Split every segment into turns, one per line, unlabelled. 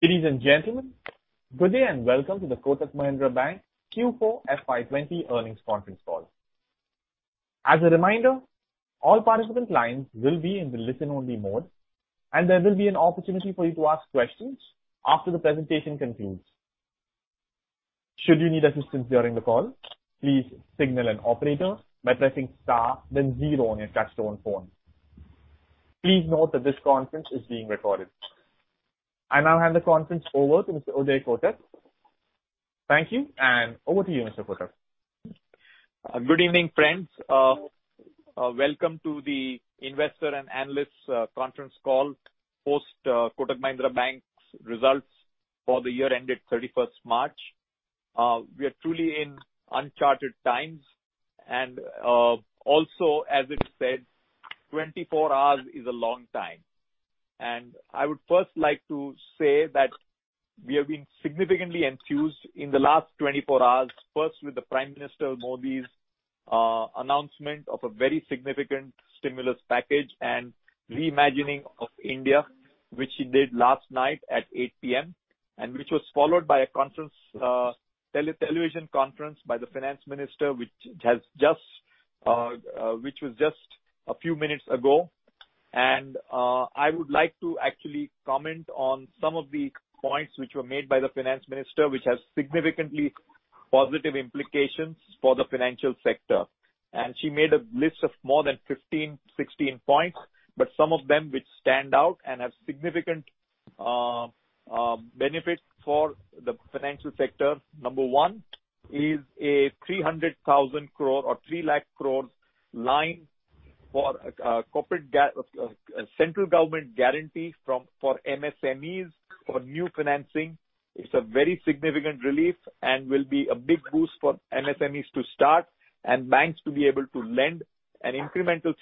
Ladies and gentlemen, good day and welcome to the Kotak Mahindra Bank Q4 FY 2020 earnings conference call. As a reminder, all participant lines will be in the listen-only mode, and there will be an opportunity for you to ask questions after the presentation concludes. Should you need assistance during the call, please signal an operator by pressing star then zero on your touchtone phone. Please note that this conference is being recorded. I now hand the conference over to Mr. Uday Kotak. Thank you, and over to you, Mr. Kotak.
Good evening, friends. Welcome to the investors and analysts conference call post Kotak Mahindra Bank's results for the year ended March 31. We are truly in uncharted times and also, as it is said, 24 hours is a long time. I would first like to say that we have been significantly enthused in the last 24 hours, first with the Prime Minister Modi's announcement of a very significant stimulus package and reimagining of India, which he did last night at 8 P.M., which was followed by a television conference by the Finance Minister, which was just a few minutes ago. I would like to actually comment on some of the points which were made by the Finance Minister, which has significantly positive implications for the financial sector. And she made a list of more than fifteen, sixteen points, but some of them which stand out and have significant benefits for the financial sector. Number one is a 300,000 crore or 3 lakh crore line for central government guarantee from for MSMEs for new financing. It's a very significant relief and will be a big boost for MSMEs to start and banks to be able to lend an incremental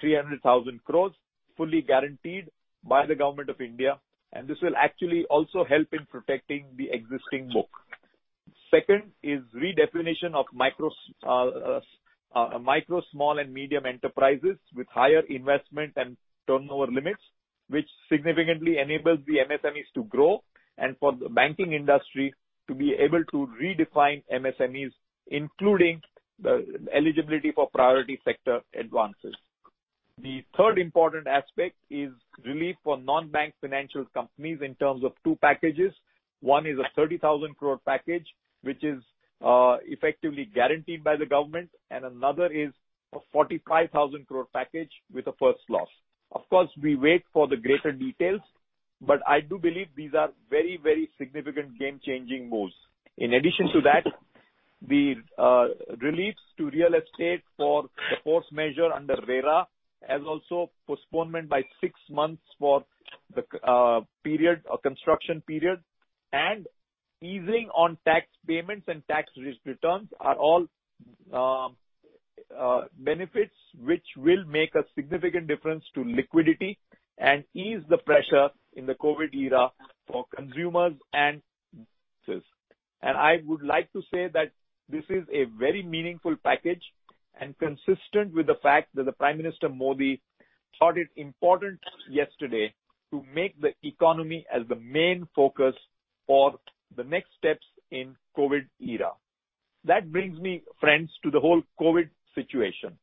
300,000 crores, fully guaranteed by the government of India, and this will actually also help in protecting the existing book. Second is redefinition of micro, small, and medium enterprises with higher investment and turnover limits, which significantly enables the MSMEs to grow and for the banking industry to be able to redefine MSMEs, including the eligibility for priority sector advances. The third important aspect is relief for non-bank financial companies in terms of two packages. One is an 30,000 crore package, which is effectively guaranteed by the government, and another is an 45,000 crore package with a first loss. Of course, we wait for the greater details, but I do believe these are very, very significant game-changing moves. In addition to that, the reliefs to real estate for the forbearance measure under RERA, as also postponement by six months for the construction period, and easing on tax payments and tax returns are all benefits which will make a significant difference to liquidity and ease the pressure in the COVID era for consumers and businesses. I would like to say that this is a very meaningful package and consistent with the fact that the Prime Minister Modi thought it important yesterday to make the economy as the main focus for the next steps in COVID era. That brings me, friends, to the whole COVID situation,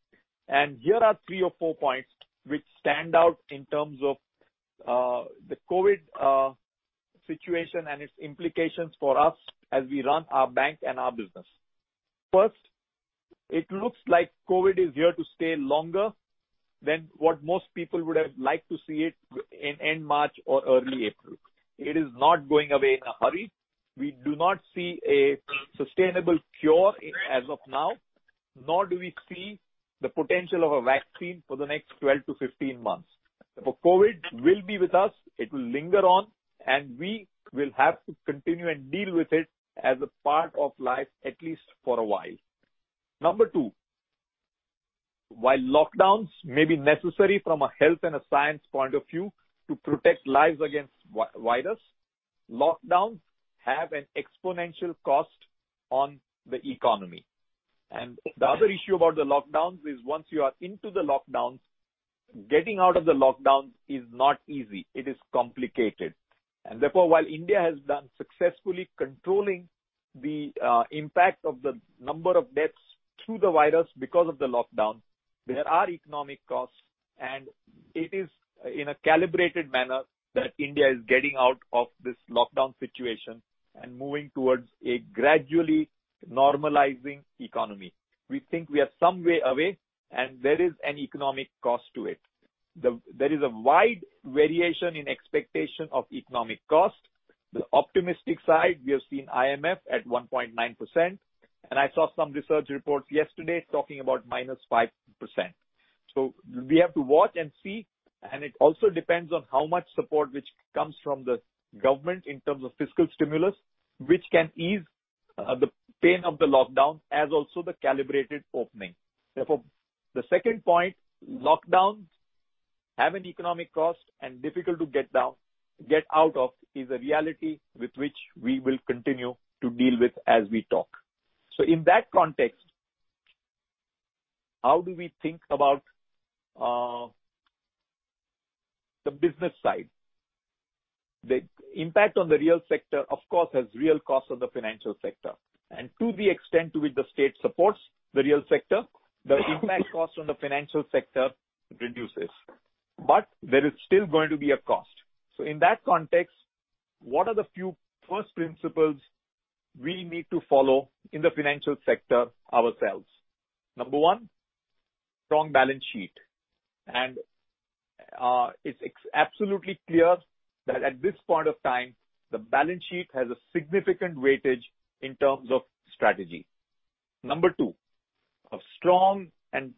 and here are three or four points which stand out in terms of the COVID situation and its implications for us as we run our bank and our business. First, it looks like COVID is here to stay longer than what most people would have liked to see it wind down in end March or early April. It is not going away in a hurry. We do not see a sustainable cure as of now, nor do we see the potential of a vaccine for the next 12-15 months. But COVID will be with us, it will linger on, and we will have to continue and deal with it as a part of life, at least for a while. Number two, while lockdowns may be necessary from a health and a science point of view to protect lives against virus, lockdowns have an exponential cost on the economy. And the other issue about the lockdowns is once you are into the lockdowns, getting out of the lockdowns is not easy, it is complicated. And therefore, while India has done successfully controlling the impact of the number of deaths through the virus because of the lockdown, there are economic costs, and it is in a calibrated manner that India is getting out of this lockdown situation and moving towards a gradually normalizing economy. We think we are some way away, and there is an economic cost to it. There is a wide variation in expectation of economic growth. The optimistic side, we have seen IMF at 1.9%, and I saw some research reports yesterday talking about -5%. So we have to watch and see, and it also depends on how much support which comes from the government in terms of fiscal stimulus, which can ease the pain of the lockdown as also the calibrated opening. Therefore, the second point, lockdowns have an economic cost and difficult to get out of, is a reality with which we will continue to deal with as we talk. So in that context, how do we think about the business side? The impact on the real sector, of course, has real costs on the financial sector. And to the extent to which the state supports the real sector, the impact cost on the financial sector reduces, but there is still going to be a cost. So in that context, what are the few first principles we need to follow in the financial sector ourselves? Number one, strong balance sheet. And, it's absolutely clear that at this point of time, the balance sheet has a significant weightage in terms of strategy. Number two, a strong and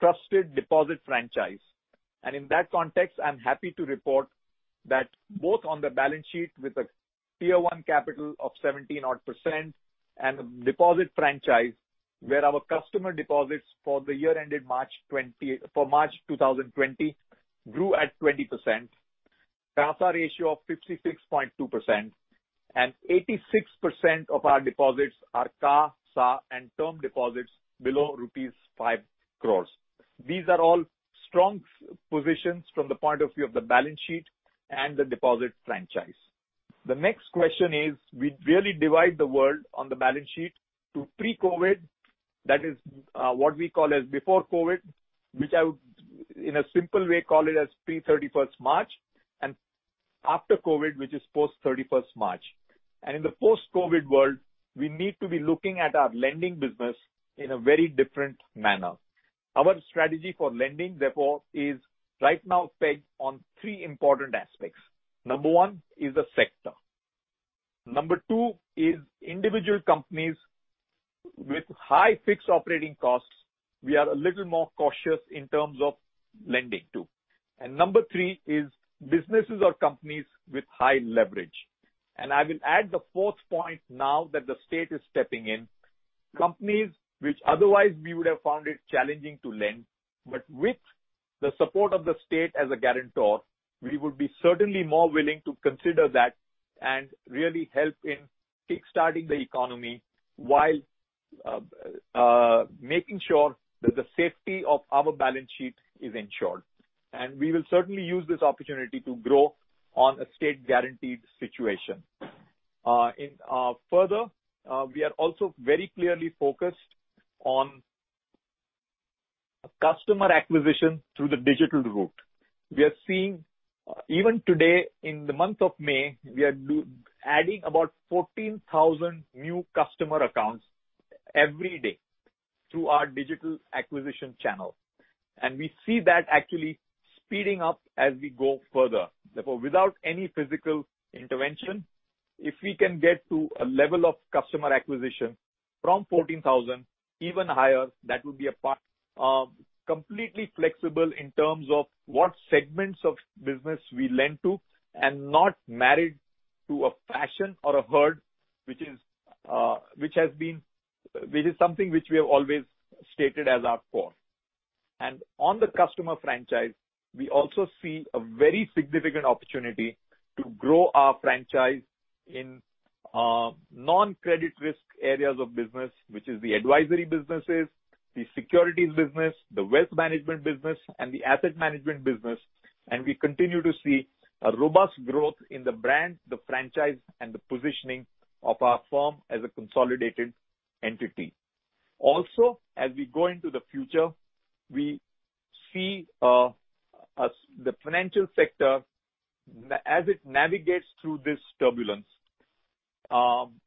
trusted deposit franchise. In that context, I'm happy to report that both on the balance sheet with a Tier-1 capital of 70-odd% and a deposit franchise, where our customer deposits for the year ended March two thousand and twenty, grew at 20%, CASA ratio of 56.2%, and 86% of our deposits are CASA and term deposits below rupees 5 crores. These are all strong positions from the point of view of the balance sheet and the deposit franchise. The next question is, we really divide the world on the balance sheet to pre-COVID, that is, what we call as before COVID, which I would, in a simple way, call it as pre-thirty-first March, and after COVID, which is post thirty-first March. In the post-COVID world, we need to be looking at our lending business in a very different manner. Our strategy for lending, therefore, is right now pegged on three important aspects. Number one is the sector. Number two is individual companies with high fixed operating costs; we are a little more cautious in terms of lending to. And number three is businesses or companies with high leverage. And I will add the fourth point now that the state is stepping in. Companies which otherwise we would have found it challenging to lend, but with the support of the state as a guarantor, we would be certainly more willing to consider that and really help in kick-starting the economy while making sure that the safety of our balance sheet is ensured. And we will certainly use this opportunity to grow on a state-guaranteed situation. Further, we are also very clearly focused on customer acquisition through the digital route. We are seeing, even today, in the month of May, we are adding about 14,000 new customer accounts every day through our digital acquisition channel, and we see that actually speeding up as we go further. Therefore, without any physical intervention, if we can get to a level of customer acquisition from 14,000 even higher, that would be a part completely flexible in terms of what segments of business we lend to and not married to a fashion or a herd, which is something which we have always stated as our core, and on the customer franchise, we also see a very significant opportunity to grow our franchise in non-credit risk areas of business, which is the advisory businesses, the securities business, the wealth management business, and the asset management business. And we continue to see a robust growth in the brand, the franchise, and the positioning of our firm as a consolidated entity. Also, as we go into the future, we see as the financial sector as it navigates through this turbulence,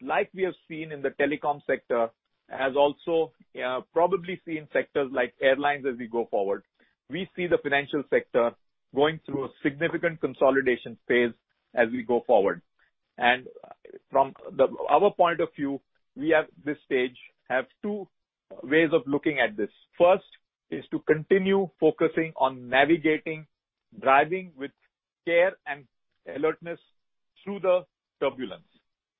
like we have seen in the telecom sector, has also probably seen sectors like airlines as we go forward. We see the financial sector going through a significant consolidation phase as we go forward. And from our point of view, we at this stage have two ways of looking at this. First, is to continue focusing on navigating, driving with care and alertness through the turbulence.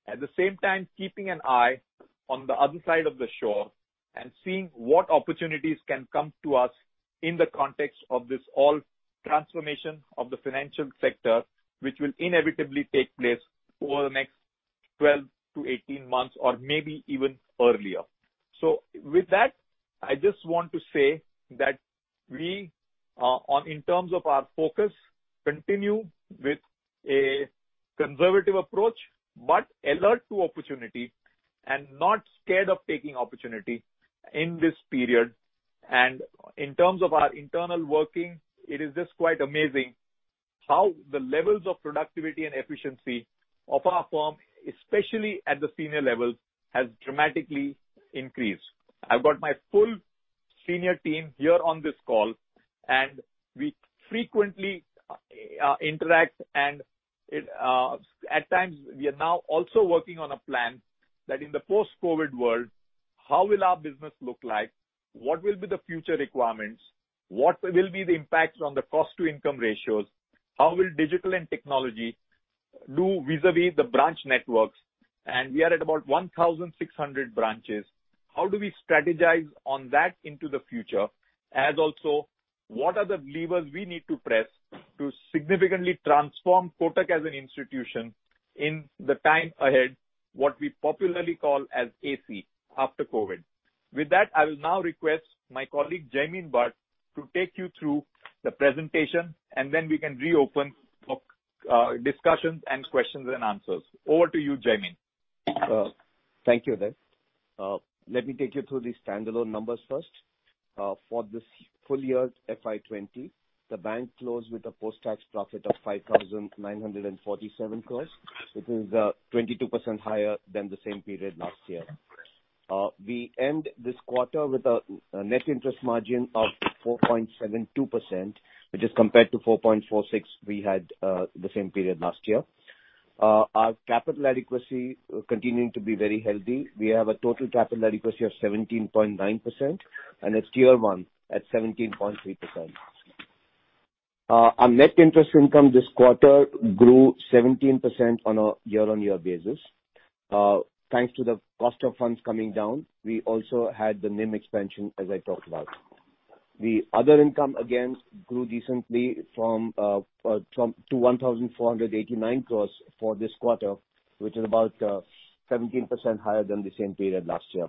At the same time, keeping an eye on the other side of the shore and seeing what opportunities can come to us in the context of this all transformation of the financial sector, which will inevitably take place over the next 12 to 18 months or maybe even earlier. So with that, I just want to say that we, on in terms of our focus, continue with a conservative approach, but alert to opportunity and not scared of taking opportunity in this period. In terms of our internal working, it is just quite amazing how the levels of productivity and efficiency of our firm, especially at the senior level, has dramatically increased. I've got my full senior team here on this call, and we frequently interact, and it at times, we are now also working on a plan that in the post-COVID world, how will our business look like? What will be the future requirements? What will be the impact on the cost-to-income ratios? How will digital and technology do vis-a-vis the branch networks? And we are at about one thousand six hundred branches. How do we strategize on that into the future? As also, what are the levers we need to press to significantly transform Kotak as an institution in the time ahead, what we popularly call as AC, After COVID. With that, I will now request my colleague, Jaimin Bhatt, to take you through the presentation, and then we can reopen for discussions and questions and answers. Over to you, Jaimin.
Thank you, Uday. Let me take you through the standalone numbers first. For this full year, FY 2020, the bank closed with a post-tax profit of 5,947 crores, which is 22% higher than the same period last year. We end this quarter with a net interest margin of 4.72%, which is compared to 4.46 we had the same period last year. Our capital adequacy continuing to be very healthy. We have a total capital adequacy of 17.9%, and it's tier one at 17.3%. Our net interest income this quarter grew 17% on a year-on-year basis. Thanks to the cost of funds coming down, we also had the NIM expansion, as I talked about. The other income, again, grew decently from to 1,489 crores for this quarter, which is about 17% higher than the same period last year.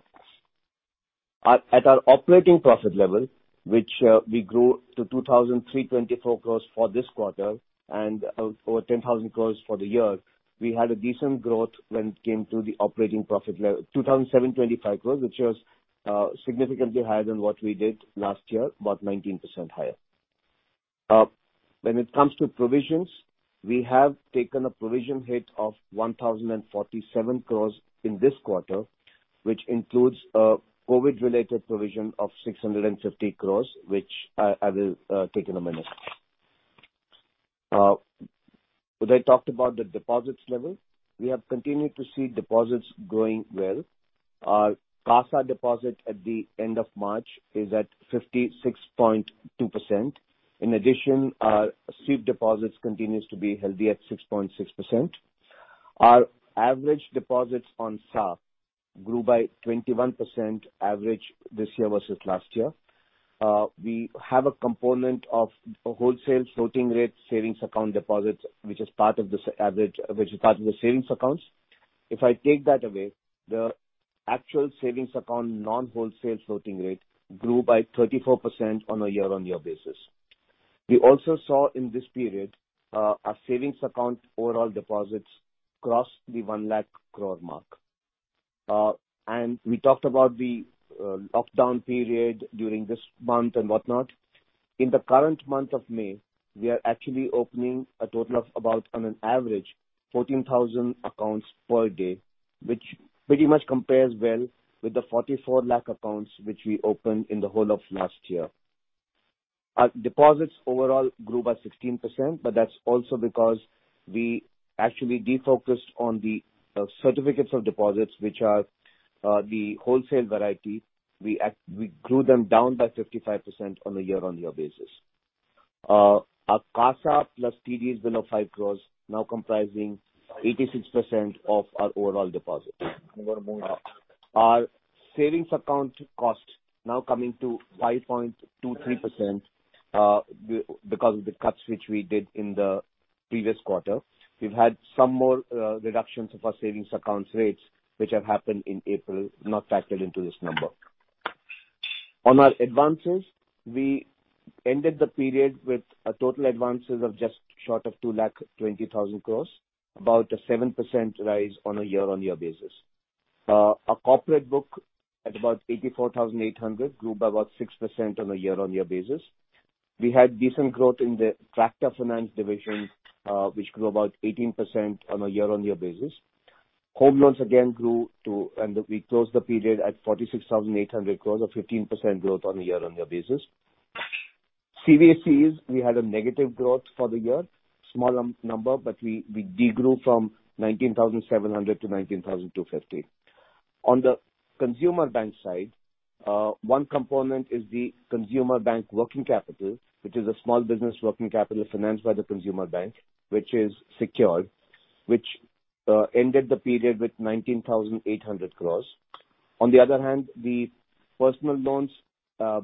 At our operating profit level, which we grew to 2,324 crores for this quarter and over 10,000 crores for the year, we had a decent growth when it came to the operating profit level, 2,725 crores, which was significantly higher than what we did last year, about 19% higher. When it comes to provisions, we have taken a provision hit of 1,047 crores in this quarter, which includes a COVID-related provision of 650 crores, which I will take in a minute. When I talked about the deposits level, we have continued to see deposits growing well. Our CASA deposit at the end of March is at 56.2%. In addition, our sweep deposits continues to be healthy at 6.6%. Our average deposits on SA grew by 21% average this year versus last year. We have a component of wholesale floating rate savings account deposits, which is part of this average, which is part of the savings accounts. If I take that away, the actual savings account, non-wholesale floating rate, grew by 34% on a year-on-year basis. We also saw in this period, our savings account overall deposits crossed the one lakh crore mark. And we talked about the lockdown period during this month and whatnot. In the current month of May, we are actually opening a total of about, on an average, 14,000 accounts per day, which pretty much compares well with the 44 lakh accounts which we opened in the whole of last year. Our deposits overall grew by 16%, but that's also because we actually defocused on the certificates of deposits, which are the wholesale variety. We grew them down by 55% on a year-on-year basis. Our CASA plus TDs below of five crores now comprising 86% of our overall deposits. Our savings account cost now coming to 5.23%, because of the cuts which we did in the previous quarter. We've had some more reductions of our savings accounts rates, which have happened in April, not factored into this number. On our advances, we ended the period with a total advances of just short of two lakh twenty thousand crores, about a 7% rise on a year-on-year basis. Our corporate book at about eighty-four thousand eight hundred, grew by about 6% on a year-on-year basis. We had decent growth in the tractor finance division, which grew about 18% on a year-on-year basis. Home loans again grew to, and we closed the period at forty-six thousand eight hundred crores, a 15% growth on a year-on-year basis. CV & CE, we had a negative growth for the year. Small number, but we degrew from nineteen thousand seven hundred to nineteen thousand two fifty. On the consumer bank side, one component is the consumer bank working capital, which is a small business working capital financed by the consumer bank, which is secured, which ended the period with 19,800 crores. On the other hand, the personal loans,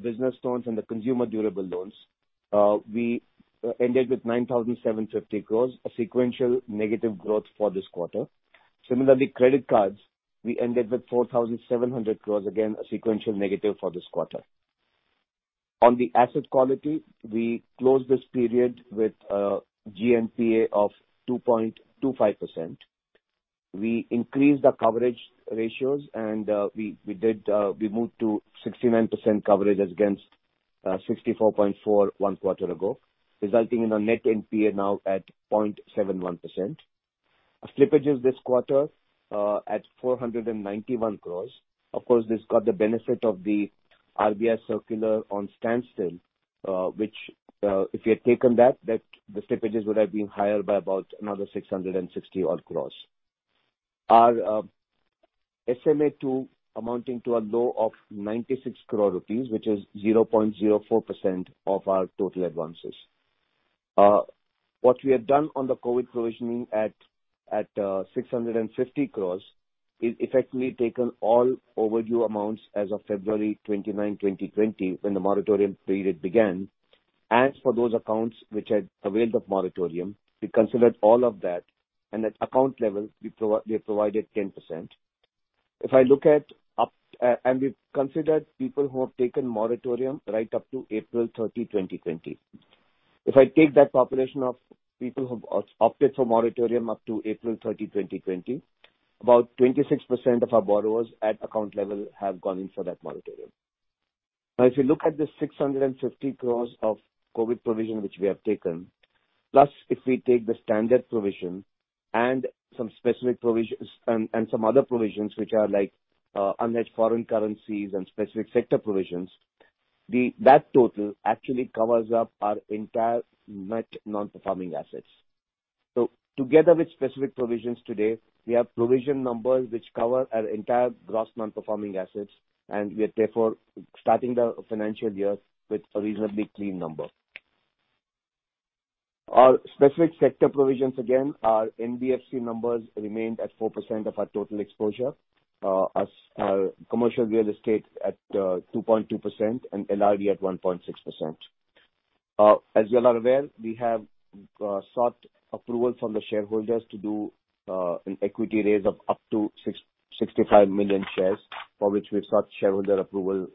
business loans, and the consumer durable loans, we ended with 9,750 crores, a sequential negative growth for this quarter. Similarly, credit cards, we ended with 4,700 crores, again, a sequential negative for this quarter. On the asset quality, we closed this period with a GNPA of 2.25%. We increased the coverage ratios, and we moved to 69% coverage as against 64.4%, one quarter ago, resulting in a net NPA now at 0.71%. Our slippages this quarter at 491 crores. Of course, this got the benefit of the RBI circular on standstill, which if you had taken that the slippages would have been higher by about another 660-odd crores. Our SMA-2 amounting to a low of 96 crore rupees, which is 0.04% of our total advances. What we have done on the COVID provisioning at 650 crores is effectively taken all overdue amounts as of February 29, 2020, when the moratorium period began. As for those accounts which had availed of moratorium, we considered all of that, and at account level, we provided 10%. If I look at up, and we've considered people who have taken moratorium right up to April 30, 2020. If I take that population of people who've opted for moratorium up to April 30, 2020, about 26% of our borrowers at account level have gone in for that moratorium. Now, if you look at the 650 crores of COVID provision which we have taken, plus if we take the standard provision and some specific provisions and some other provisions which are like unhedged foreign currencies and specific sector provisions, that total actually covers up our entire net non-performing assets. So together with specific provisions today, we have provision numbers which cover our entire gross non-performing assets, and we are therefore starting the financial year with a reasonably clean number. Our specific sector provisions, again, our NBFC numbers remained at 4% of our total exposure, as our commercial real estate at 2.2% and NRE at 1.6%. As you all are aware, we have sought approval from the shareholders to do an equity raise of up to 665 million shares, for which we've sought shareholder approval,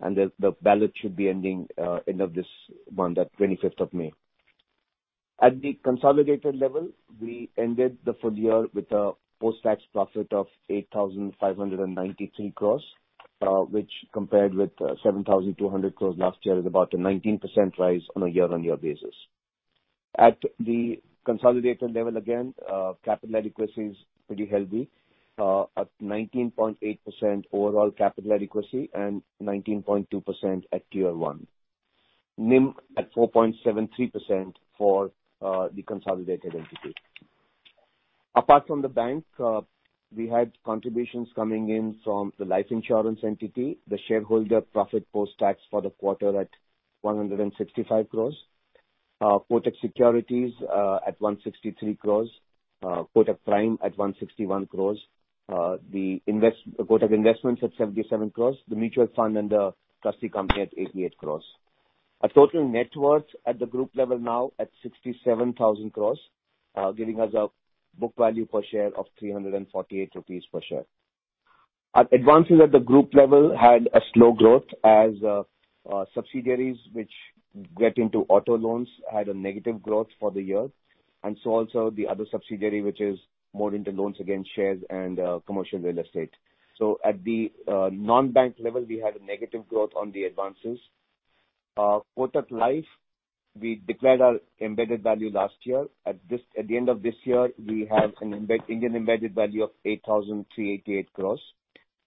and the ballot should be ending end of this month, at twenty-fifth of May. At the consolidated level, we ended the full year with a post-tax profit of 8,593 crores, which compared with 7,200 crores last year, is about a 19% rise on a year-on-year basis. At the consolidated level again, capital adequacy is pretty healthy, at 19.8% overall capital adequacy and 19.2% at Tier-1. NIM at 4.73% for the consolidated entity. Apart from the bank, we had contributions coming in from the life insurance entity, the shareholder profit post tax for the quarter at 165 crores, Kotak Securities at 163 crores, Kotak Prime at 161 crores, Kotak Investments at 77 crores, the mutual fund and the trustee company at 88 crores. Our total net worth at the group level now at 67,000 crores, giving us a book value per share of 348 rupees per share. Our advances at the group level had a slow growth as subsidiaries which get into auto loans had a negative growth for the year, and so also the other subsidiary, which is more into loans against shares and commercial real estate. At the non-bank level, we had a negative growth on the advances. Kotak Life, we declared our embedded value last year. At the end of this year, we have an Indian embedded value of 8,388 crores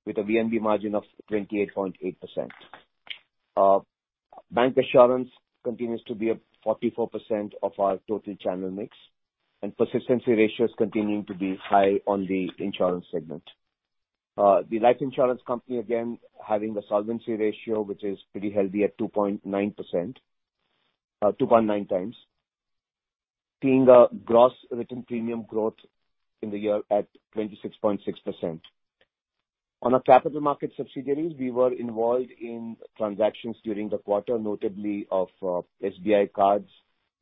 with a VNB margin of 28.8%. Bancassurance continues to be at 44% of our total channel mix, and persistency ratios continuing to be high on the insurance segment. The life insurance company, again, having a solvency ratio, which is pretty healthy at 2.9%, 2.9 times. Seeing a gross written premium growth in the year at 26.6%. On our capital market subsidiaries, we were involved in transactions during the quarter, notably SBI Cards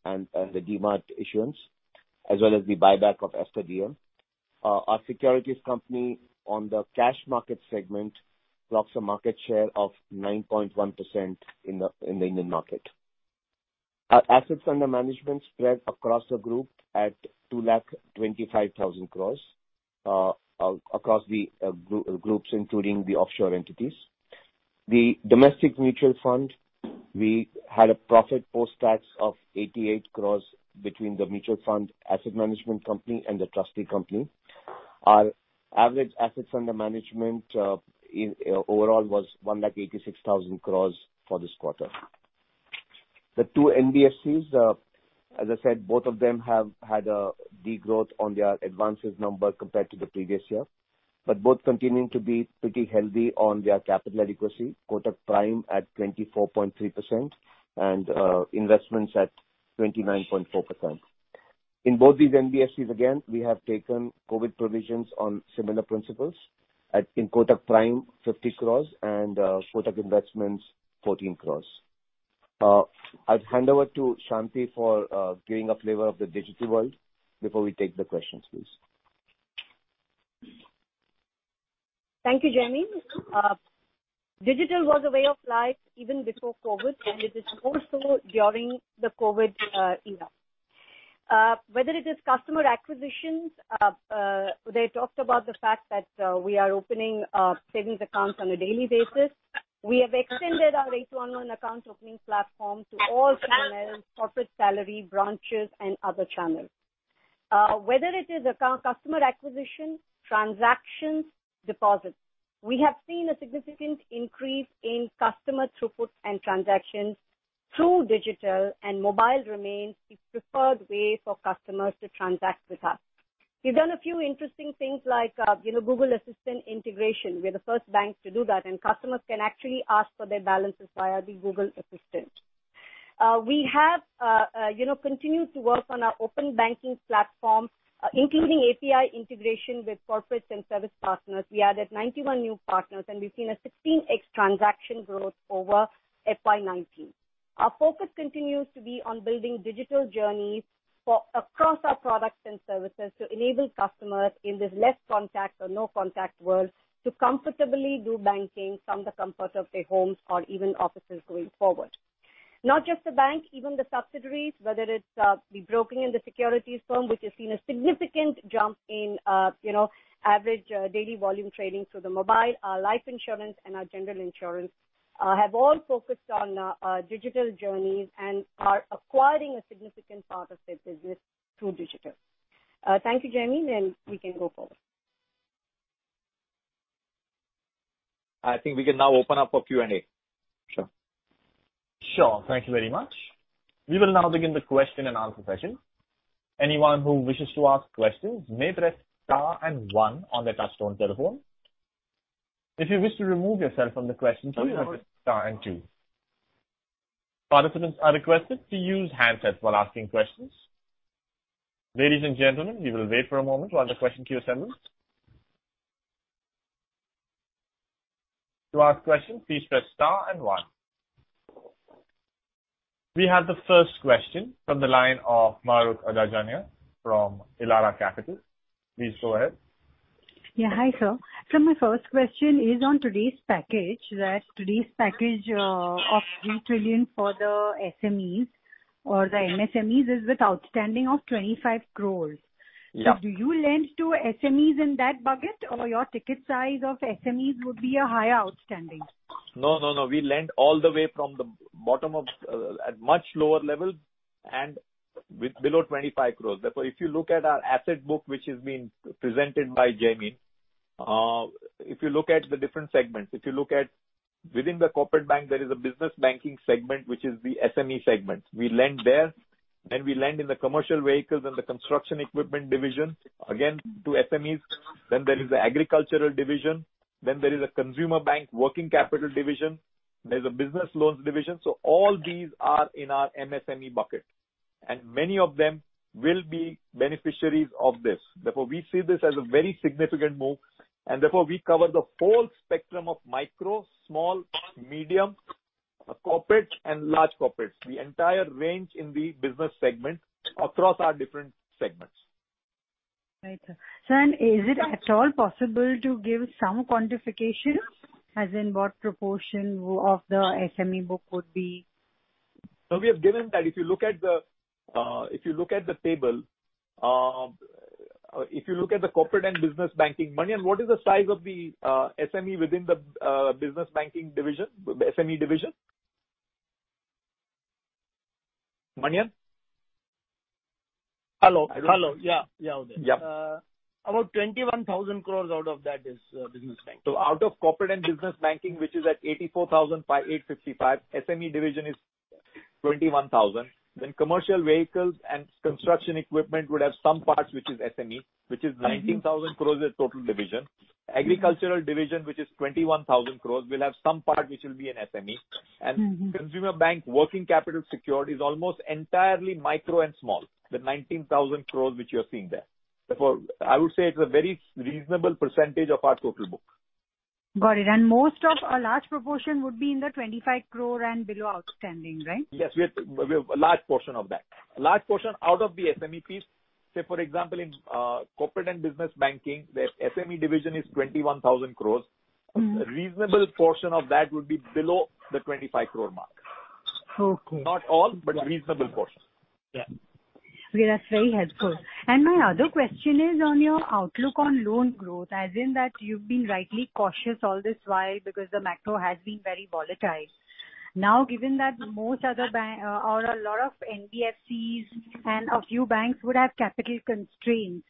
and the DMart issuance, as well as the buyback of Aster DM. Our securities company on the cash market segment boasts a market share of 9.1% in the Indian market. Our assets under management spread across the group at ₹225,000 crores across the groups, including the offshore entities. The domestic mutual fund, we had a profit post tax of ₹88 crores between the mutual fund asset management company and the trustee company. Our average assets under management in overall was ₹186,000 crores for this quarter. The two NBFCs, as I said, both of them have had a degrowth on their advances number compared to the previous year, but both continuing to be pretty healthy on their capital adequacy. Kotak Prime at 24.3% and Investments at 29.4%. In both these NBFCs, again, we have taken COVID provisions on similar principles at... in Kotak Prime, 50 crores and Kotak Investments, 14 crores. I'll hand over to Shanti for giving a flavor of the digital world before we take the questions, please.
Thank you, Jaimin. Digital was a way of life even before COVID, and it is also during the COVID era. Whether it is customer acquisitions, they talked about the fact that we are opening savings accounts on a daily basis. We have extended our A2O account opening platform to all channels, corporate salary, branches, and other channels. Whether it is customer acquisition, transactions, deposits, we have seen a significant increase in customer throughput and transactions through digital, and mobile remains the preferred way for customers to transact with us. We've done a few interesting things like, you know, Google Assistant integration. We're the first bank to do that, and customers can actually ask for their balances via the Google Assistant.... We have, you know, continued to work on our open banking platform, including API integration with corporates and service partners. We added 91 new partners, and we've seen a 16X transaction growth over FY 2019. Our focus continues to be on building digital journeys for across our products and services to enable customers in this less contact or no contact world to comfortably do banking from the comfort of their homes or even offices going forward. Not just the bank, even the subsidiaries, whether it's, the broking and the securities firm, which has seen a significant jump in, you know, average, daily volume trading through the mobile, our life insurance and our general insurance, have all focused on, digital journeys and are acquiring a significant part of their business through digital. Thank you, Jaimin, and we can go forward.
I think we can now open up for Q&A. Sure.
Sure. Thank you very much. We will now begin the question and answer session. Anyone who wishes to ask questions may press star and one on their touchtone telephone. If you wish to remove yourself from the question, press star and two. Participants are requested to use handsets while asking questions. Ladies and gentlemen, we will wait for a moment while the question queue assembles. To ask questions, please press star and one. We have the first question from the line of Mahrukh Adajania from Elara Capital. Please go ahead.
Yeah, hi, sir. So my first question is on today's package, that today's package, of 3 trillion for the SMEs or the MSMEs is with outstanding of 25 crores?
Yeah.
Do you lend to SMEs in that bucket, or your ticket size of SMEs would be a higher outstanding?
No, no, no. We lend all the way from the bottom of, at much lower level and with below twenty-five crores. Therefore, if you look at our asset book, which has been presented by Jaimin, if you look at the different segments, if you look at within the corporate bank, there is a business banking segment, which is the SME segment. We lend there. Then we lend in the commercial vehicles and the construction equipment division, again to SMEs. Then there is the agricultural division, then there is a consumer bank working capital division, there's a business loans division. So all these are in our MSME bucket, and many of them will be beneficiaries of this. Therefore, we see this as a very significant move, and therefore we cover the whole spectrum of micro, small, medium, corporate, and large corporates. The entire range in the business segment across our different segments.
Right, sir. Sir, and is it at all possible to give some quantification, as in what proportion of the SME book would be?
So we have given that. If you look at the table, the corporate and business banking... Manian, what is the size of the SME within the business banking division, the SME division? Manian?
Hello. Hello. Yeah, yeah, Uday.
Yeah.
About 21,000 crores out of that is business banking.
So out of corporate and business banking, which is at ₹84,855 crore, SME division is ₹21,000 crore. Then commercial vehicles and construction equipment would have some parts, which is SME, which is ₹19,000 crores of total division. Agricultural division, which is ₹21,000 crores, will have some part which will be an SME.
Mm-hmm.
Consumer bank working capital secured is almost entirely micro and small, the 19,000 crores which you are seeing there. Therefore, I would say it's a very reasonable percentage of our total book.
Got it. And most of a large proportion would be in the twenty-five crore and below outstanding, right?
Yes, we have, we have a large portion of that. A large portion out of the SME piece, say, for example, in corporate and business banking, the SME division is 21,000 crores.
Mm-hmm.
A reasonable portion of that would be below the 25 crore mark.
Okay.
Not all, but a reasonable portion.
Yeah.
Okay, that's very helpful. And my other question is on your outlook on loan growth, as in that you've been rightly cautious all this while because the macro has been very volatile. Now, given that most other bank or a lot of NBFCs and a few banks would have capital constraints,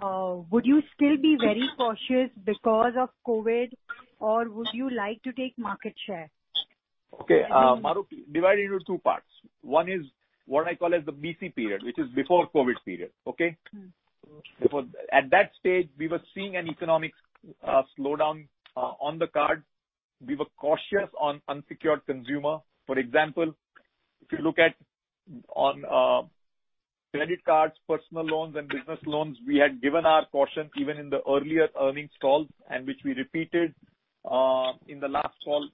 would you still be very cautious because of COVID, or would you like to take market share?
Okay, Mahrukh, divided into two parts. One is what I call as the BC period, which is before COVID period, okay?
Mm-hmm.
Therefore, at that stage, we were seeing an economic slowdown on the card. We were cautious on unsecured consumer. For example, if you look at on credit cards, personal loans, and business loans, we had given our caution even in the earlier earnings call and which we repeated in the last call,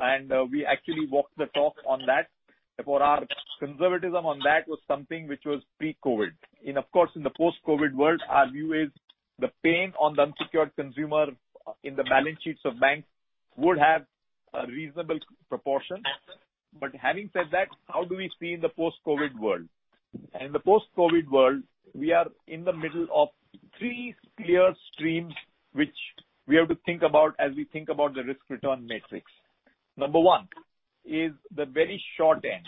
and we actually walked the talk on that. Therefore, our conservatism on that was something which was pre-COVID. And of course, in the post-COVID world, our view is the pain on the unsecured consumer in the balance sheets of banks would have a reasonable proportion. But having said that, how do we see in the post-COVID world? In the post-COVID world, we are in the middle of three clear streams, which we have to think about as we think about the risk-return matrix. Number one is the very short end,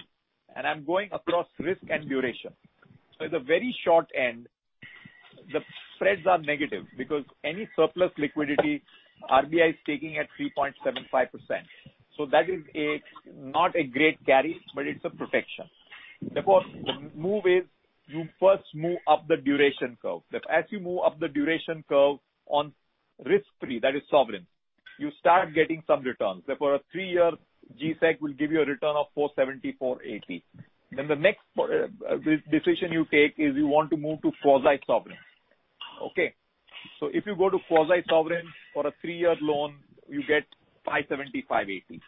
and I'm going across risk and duration. So the very short end, the spreads are negative because any surplus liquidity, RBI is taking at 3.75%. So that is not a great carry, but it's a protection. Therefore, the move is you first move up the duration curve, that as you move up the duration curve on risk-free, that is sovereign, you start getting some returns. Therefore, a three-year G-Sec will give you a return of 4.70-4.80. Then the next decision you take is you want to move to quasi sovereign. Okay? So if you go to quasi sovereign for a three-year loan, you get 5.70-5.80.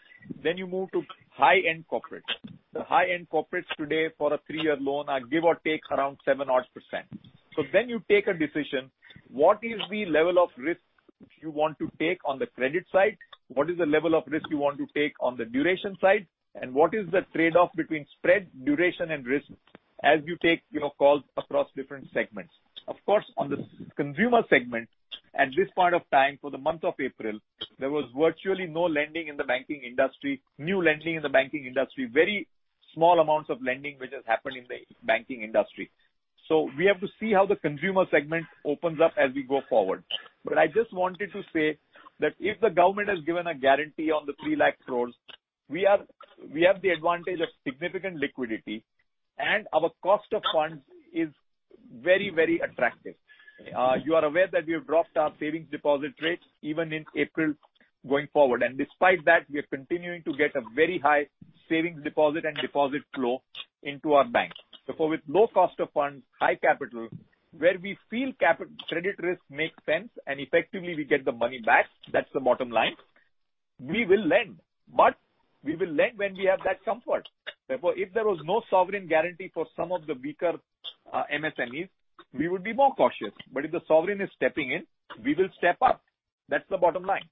Then you move to high-end corporates. The high-end corporates today for a three-year loan are give or take around 7% odd. So then you take a decision, what is the level of risk you want to take on the credit side? What is the level of risk you want to take on the duration side? And what is the trade-off between spread, duration, and risk as you take, you know, calls across different segments? Of course, on the consumer segment, at this point of time, for the month of April, there was virtually no lending in the banking industry, new lending in the banking industry. Very small amounts of lending which has happened in the banking industry. So we have to see how the consumer segment opens up as we go forward. But I just wanted to say that if the government has given a guarantee on the three lakh crores, we have the advantage of significant liquidity, and our cost of funds is very, very attractive. You are aware that we have dropped our savings deposit rates even in April going forward, and despite that, we are continuing to get a very high savings deposit and deposit flow into our bank. Therefore, with low cost of funds, high capital, where we feel credit risk makes sense and effectively we get the money back, that's the bottom line, we will lend, but we will lend when we have that comfort. Therefore, if there was no sovereign guarantee for some of the weaker MSMEs, we would be more cautious. But if the sovereign is stepping in, we will step up. That's the bottom line.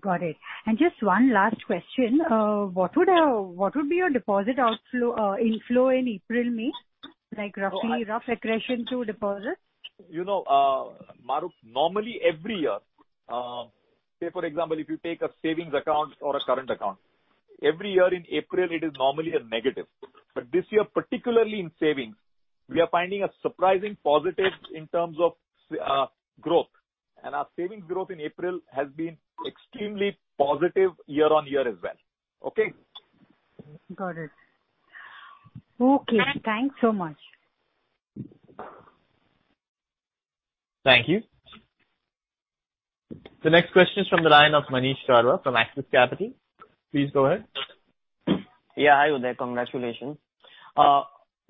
Got it and just one last question. What would be your deposit outflow, inflow in April and May? Like, roughly, rough accretion to deposits?
You know, Mahrukh, normally every year, say, for example, if you take a savings account or a current account, every year in April, it is normally a negative. But this year, particularly in savings, we are finding a surprising positive in terms of growth, and our savings growth in April has been extremely positive year on year as well. Okay?
Got it. Okay.
And-
Thanks so much.
Thank you. The next question is from the line of Manish Shukla from Axis Capital. Please go ahead.
Yeah, hi, Uday. Congratulations.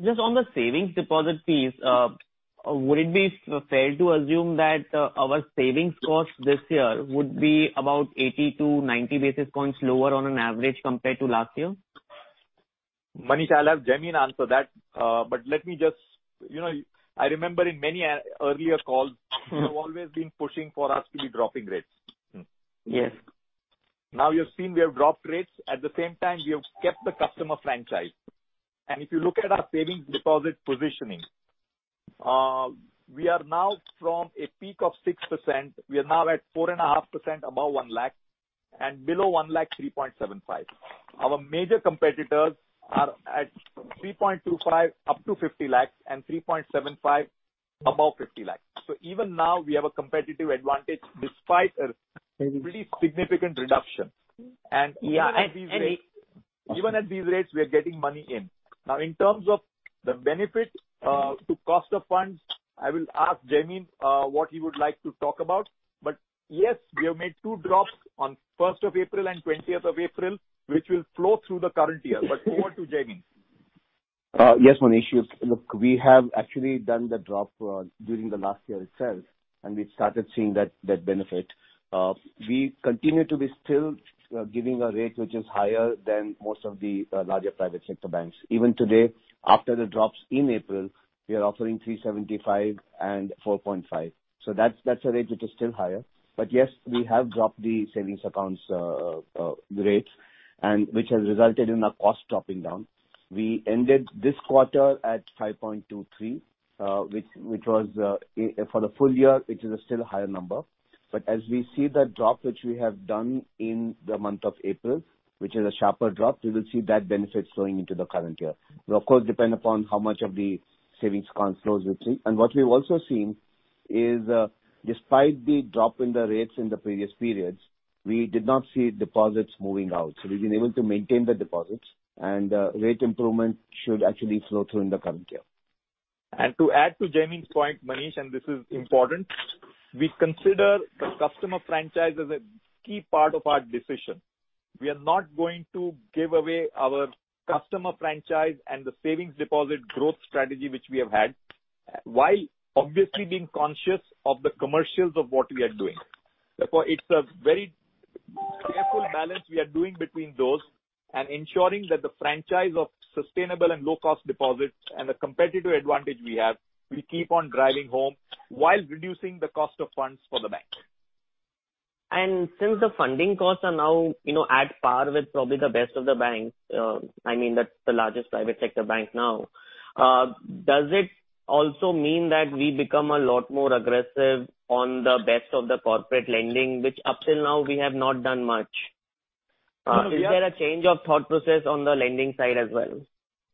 Just on the savings deposit fees, would it be fair to assume that our savings costs this year would be about 80-90 basis points lower on an average compared to last year?
Manish, I'll have Jaimin answer that, but let me just... You know, I remember in many, earlier calls-
Mm-hmm.
You have always been pushing for us to be dropping rates.
Yes.
Now, you've seen we have dropped rates. At the same time, we have kept the customer franchise. And if you look at our savings deposit positioning, we are now from a peak of 6%, we are now at 4.5% above one lakh and below one lakh, 3.75%. Our major competitors are at 3.25%, up to fifty lakhs, and 3.75% above fifty lakhs. So even now, we have a competitive advantage despite a-
Mm-hmm.
really significant reduction. And even at these rates-
Yeah, and-
Even at these rates, we are getting money in. Now, in terms of the benefit to cost of funds, I will ask Jaimin what he would like to talk about. But yes, we have made two drops on first of April and twentieth of April, which will flow through the current year. But over to Jaimin.
Yes, Manish. Look, we have actually done the drop during the last year itself, and we've started seeing that benefit. We continue to be still giving a rate which is higher than most of the larger private sector banks. Even today, after the drops in April, we are offering 3.75 and 4.5. So that's a rate which is still higher. But yes, we have dropped the savings accounts rates, and which has resulted in our cost dropping down. We ended this quarter at 5.23, which was for the full year, which is a still higher number. But as we see the drop which we have done in the month of April, which is a sharper drop, we will see that benefit flowing into the current year. Will, of course, depend upon how much of the savings accounts flows we've seen. And what we've also seen is, despite the drop in the rates in the previous periods, we did not see deposits moving out. So we've been able to maintain the deposits, and, rate improvement should actually flow through in the current year.
and to add to Jaimin's point, Manish, and this is important, we consider the customer franchise as a key part of our decision. We are not going to give away our customer franchise and the savings deposit growth strategy which we have had, while obviously being conscious of the commercials of what we are doing. Therefore, it's a very careful balance we are doing between those and ensuring that the franchise of sustainable and low-cost deposits and the competitive advantage we have, we keep on driving home while reducing the cost of funds for the bank.
Since the funding costs are now, you know, at par with probably the best of the banks, I mean, that's the largest private sector bank now, does it also mean that we become a lot more aggressive on the best of the corporate lending, which up till now, we have not done much?
We are-
Is there a change of thought process on the lending side as well?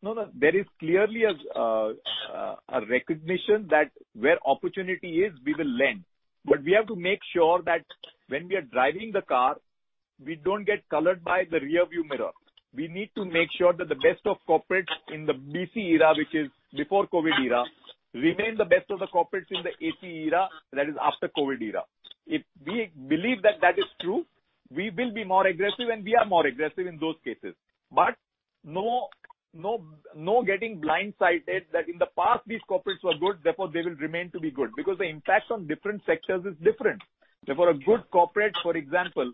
No, no. There is clearly a recognition that where opportunity is, we will lend. But we have to make sure that when we are driving the car, we don't get colored by the rearview mirror. We need to make sure that the best of corporates in the BC era, which is before COVID era, remain the best of the corporates in the AC era, that is after COVID era. If we believe that that is true, we will be more aggressive, and we are more aggressive in those cases. But no, no, no getting blindsided that in the past these corporates were good, therefore they will remain to be good because the impact on different sectors is different. Therefore, a good corporate, for example,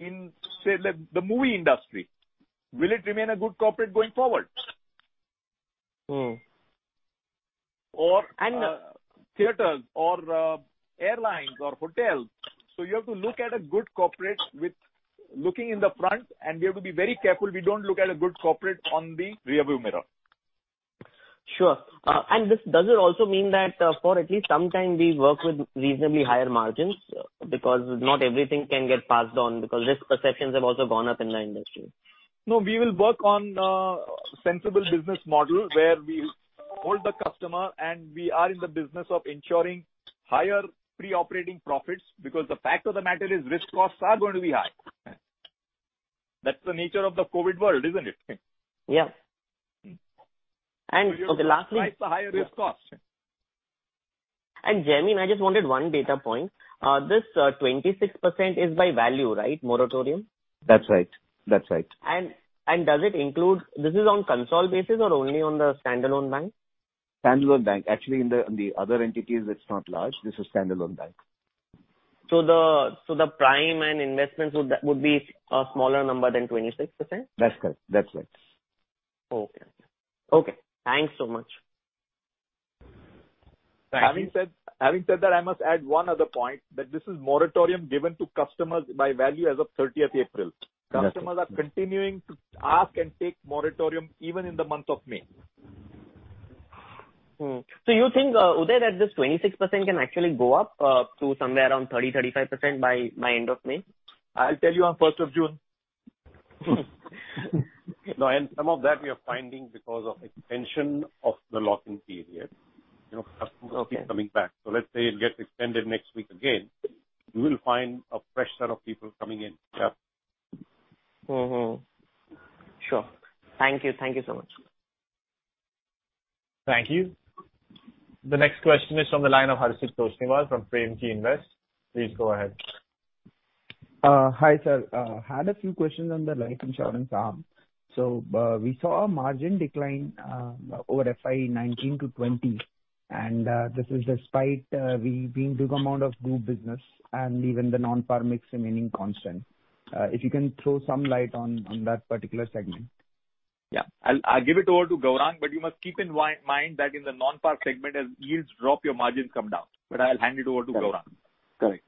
in, say, the movie industry, will it remain a good corporate going forward?
Hmm.
Or, theaters or, airlines or hotels. So you have to look at a good corporate with looking in the front, and we have to be very careful we don't look at a good corporate on the rearview mirror.
Sure. And this, does it also mean that, for at least some time we work with reasonably higher margins, because not everything can get passed on, because risk perceptions have also gone up in the industry?
No, we will work on a sensible business model where we hold the customer, and we are in the business of ensuring higher pre-operating profits, because the fact of the matter is risk costs are going to be high. That's the nature of the COVID world, isn't it?
Yeah. Lastly-
Price a higher risk cost.
And, Jaimin, I just wanted one data point. This 26% is by value, right? Moratorium.
That's right. That's right.
Does it include... This is on consolidated basis or only on the standalone bank?
Standalone bank. Actually, in the other entities, it's not large. This is standalone bank.
So the prime and investments would, that would be a smaller number than 26%?
That's correct. That's right.
Okay. Okay. Thanks so much.
Having said, having said that, I must add one other point, that this is moratorium given to customers by value as of thirtieth April.
That's right.
Customers are continuing to ask and take moratorium even in the month of May.
Hmm. So you think, Uday, that this 26% can actually go up to somewhere around 30%-35% by end of May?
I'll tell you on first of June.
No, and some of that we are finding because of extension of the lock-in period. You know, customers-
Okay.
Keep coming back. So let's say it gets extended next week again, we will find a fresh set of people coming in.
Yeah.
Mm-hmm. Sure. Thank you. Thank you so much.
Thank you. The next question is from the line of Harshil Toshniwal from Premji Invest. Please go ahead.
Hi, sir. Had a few questions on the life insurance arm. So, we saw a margin decline over FY 2019 to 2020, and this is despite we being big amount of group business and even the non-par mix remaining constant. If you can throw some light on that particular segment.
Yeah. I'll give it over to Gaurang, but you must keep in mind that in the non-par segment, as yields drop, your margins come down. But I'll hand it over to Gaurang.
Correct.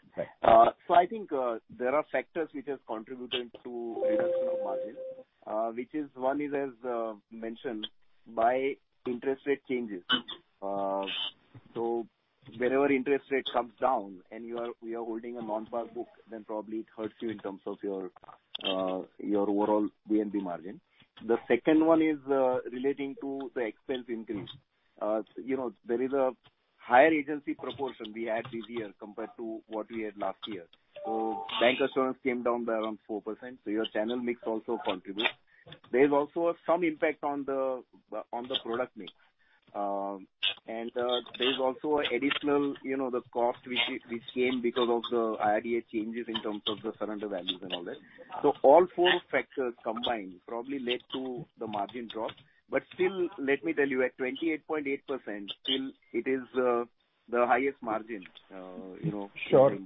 So I think there are factors which has contributed to reduction of margin, which is one is as mentioned by interest rate changes. So wherever interest rate comes down and you are we are holding a non-par book, then probably it hurts you in terms of your overall VNB margin. The second one is relating to the expense increase. You know, there is a higher agency proportion we had this year compared to what we had last year. So bancassurance came down by around 4%, so your channel mix also contributes. There's also some impact on the product mix. And there's also additional, you know, the cost which came because of the IRDA changes in terms of the surrender values and all that. So all four factors combined probably led to the margin drop. But still, let me tell you, at 28.8%, still it is the highest margin, you know-
Sure.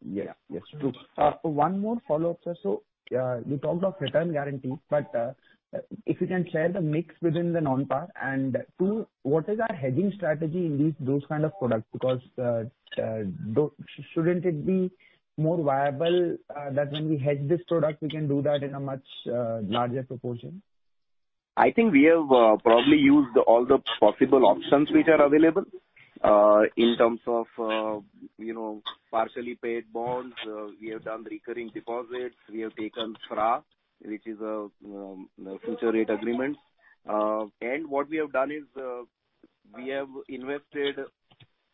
Yeah.
Yes, true. One more follow-up, sir. So, you talked of return guarantees, but if you can share the mix within the non-par, and two, what is our hedging strategy in these, those kind of products? Because, shouldn't it be more viable that when we hedge this product, we can do that in a much larger proportion?
I think we have probably used all the possible options which are available in terms of you know partially paid bonds. We have done recurring deposits. We have taken FRA, which is a future rate agreement. And what we have done is we have invested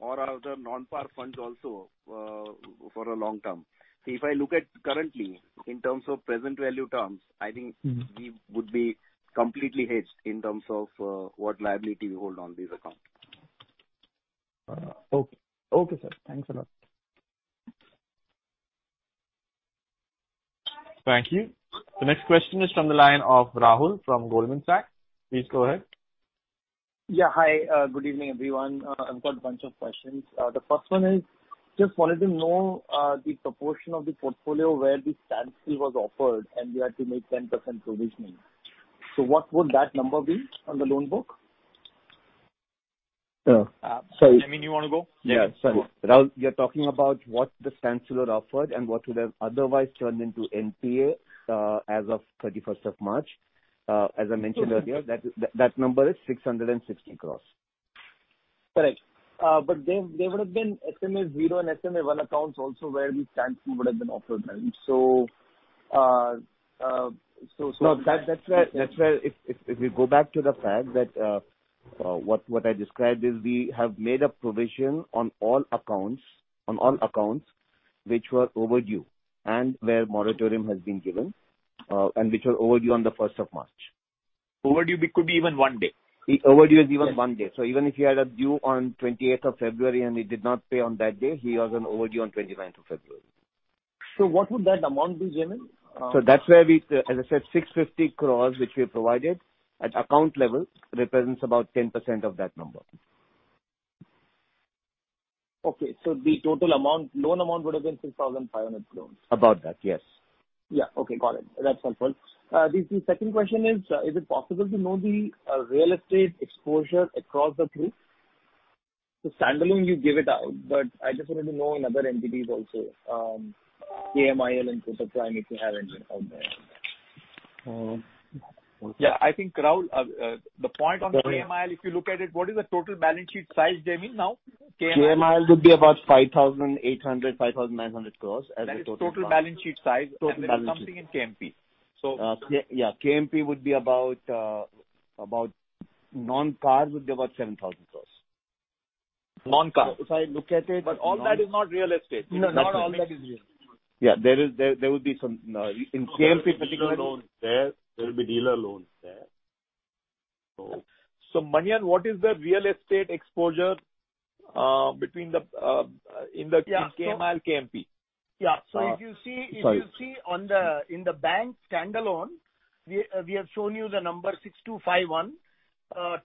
all of the non-par funds also for a long term. So if I look at currently in terms of present value terms, I think-
Mm-hmm...
we would be completely hedged in terms of, what liability we hold on these accounts.
Okay. Okay, sir. Thanks a lot.
Thank you. The next question is from the line of Rahul from Goldman Sachs. Please go ahead.
Yeah, hi. Good evening, everyone. I've got a bunch of questions. The first one is, just wanted to know, the proportion of the portfolio where the standstill was offered and we had to make 10% provisioning. So what would that number be on the loan book?
Uh, sorry-
Jaimin, you want to go?
Yeah. Sorry. Rahul, you're talking about what the standstill had offered and what would have otherwise turned into NPA, as of thirty-first of March. As I mentioned earlier, that, that number is 660 crores.
Correct, but there would have been SMA zero and SMA one accounts also where the standstill would have been offered then. So,
No, that's where, if we go back to the fact that ...
what I described is we have made a provision on all accounts, on all accounts which were overdue and where moratorium has been given, and which were overdue on the first of March.
Overdue, it could be even one day?
Overdue is even one day. So even if you had a due on twenty-eighth of February and he did not pay on that day, he was an overdue on twenty-nine of February.
What would that amount be, Jaimin?
So that's where we, as I said, 650 crores, which we provided at account level, represents about 10% of that number.
Okay, so the total amount, loan amount would have been 6,500 crores.
About that, yes.
Yeah. Okay, got it. That's helpful. The second question is, is it possible to know the real estate exposure across the group? The standalone, you give it out, but I just wanted to know in other entities also, KMIL and Kotak Prime, if you have anything out there.
Yeah, I think, Paul, the point on KMIL, if you look at it, what is the total balance sheet size, Jaimin, now?
KMIL would be about 5,800-5,900 crores as the total-
That is total balance sheet size.
Total balance sheet.
There is something in KMP. So-
Yeah, KMP would be about non-car, about 7,000 crores.
Non-car.
If I look at it-
But all that is not real estate.
No, not all that is real estate.
Yeah, there would be some in KMP particularly-
There will be dealer loans there.
So, Manian, what is the real estate exposure between the, in the-
Yeah.
in KMIL, KMP?
Yeah. So if you see-
Sorry.
If you see on the, in the Bank standalone, we have shown you the number 6,251.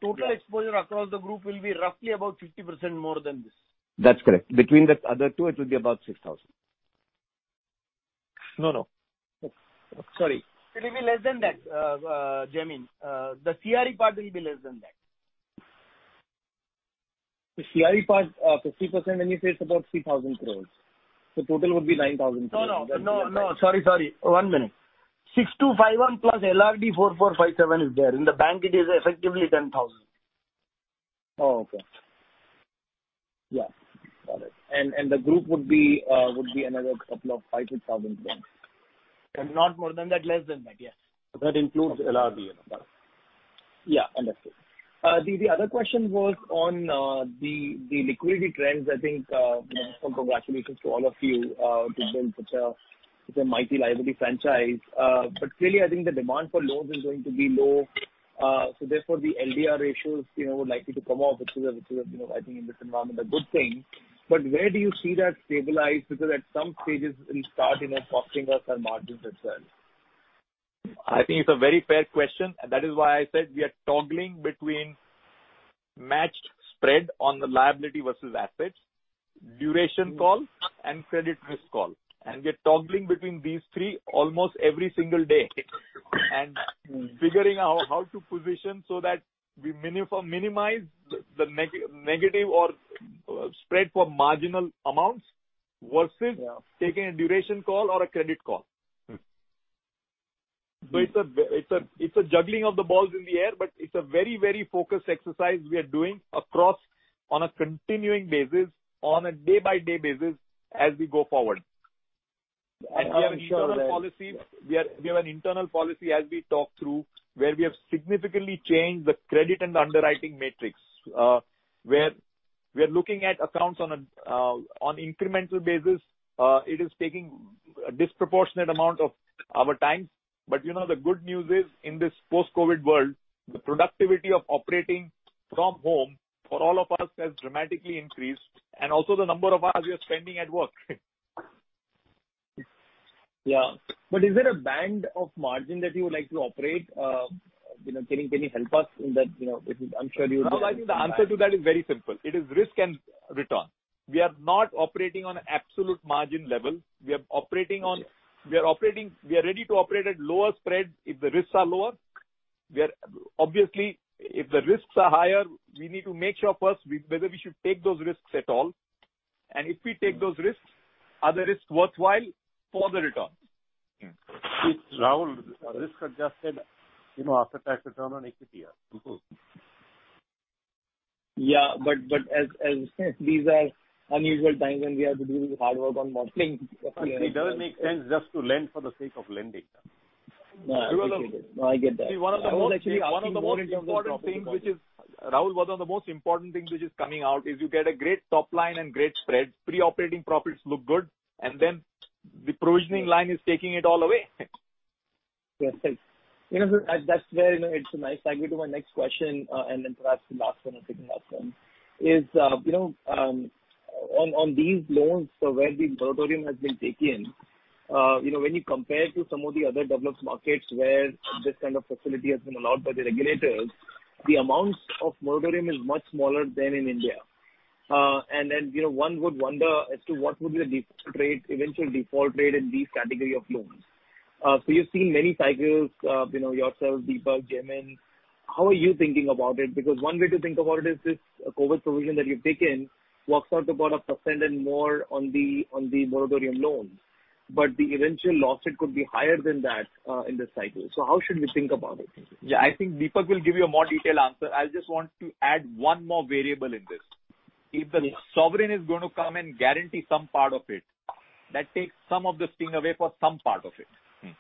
Total exposure across the group will be roughly about 50% more than this.
That's correct. Between the other two, it will be about six thousand.
No, no. Sorry.
It will be less than that, Jaimin. The CRE part will be less than that.
The CRE part, 50%, when you say it's about 3,000 crores, the total would be 9,000 crores.
No, no. No, no. Sorry, sorry. One minute. 6,251 plus LRD 4,457 is there. In the bank, it is effectively 10,000.
Oh, okay. Yeah, got it. And the group would be another couple of five, six thousand loans.
And not more than that, less than that, yes.
That includes LRD as well.
Yeah, understood. The other question was on the liquidity trends. I think first congratulations to all of you to build such a mighty liability franchise. But clearly, I think the demand for loans is going to be low. So therefore, the LDR ratios, you know, would likely to come off, which is, you know, I think in this environment, a good thing. But where do you see that stabilize? Because at some stages, it will start, you know, costing us our margins as well.
I think it's a very fair question, and that is why I said we are toggling between matched spread on the liability versus assets, duration call and credit risk call. And we are toggling between these three almost every single day, and figuring out how to position so that we minimize the negative or spread for marginal amounts versus-
Yeah.
taking a duration call or a credit call.
Hmm.
It's a juggling of the balls in the air, but it's a very, very focused exercise we are doing across on a continuing basis, on a day-by-day basis as we go forward.
And I'm sure that-
We have an internal policy as we talk through, where we have significantly changed the credit and the underwriting metrics, where we are looking at accounts on an incremental basis. It is taking a disproportionate amount of our time. But, you know, the good news is, in this post-COVID world, the productivity of operating from home for all of us has dramatically increased, and also the number of hours we are spending at work.
Yeah. But is there a band of margin that you would like to operate? You know, can you help us in that? You know, I'm sure you-
No, I think the answer to that is very simple. It is risk and return. We are not operating on absolute margin level. We are operating on-
Yeah.
We are operating... We are ready to operate at lower spreads if the risks are lower. We are, obviously, if the risks are higher, we need to make sure first whether we should take those risks at all, and if we take those risks, are the risks worthwhile for the return?
Hmm.
ROE, risk-adjusted, you know, after-tax return on equity, yeah, of course. Yeah, but as these are unusual times, and we have to do hard work on modeling.
It doesn't make sense just to lend for the sake of lending.
No, I get it. No, I get that.
See, one of the most important things which is coming out is you get a great top line and great spread. Pre-provisioning profits look good, and then the provisioning line is taking it all away.
Yes, thanks. You know, that's where, you know, it's a nice segue to my next question, and then perhaps the last one, if we can have them. Is, you know, on, on these loans, so where the moratorium has been taken, you know, when you compare to some of the other developed markets where this kind of facility has been allowed by the regulators, the amount of moratorium is much smaller than in India. And then, you know, one would wonder as to what would be the default rate, eventual default rate in these category of loans. So you've seen many cycles, you know, yourself, Deepak, Jaimin, how are you thinking about it? Because one way to think about it is this COVID provision that you've taken works out about 1% and more on the moratorium loans, but the eventual loss, it could be higher than that in this cycle. So how should we think about it?
Yeah, I think Deepak will give you a more detailed answer. I just want to add one more variable in this. If the sovereign is going to come and guarantee some part of it, that takes some of the sting away for some part of it.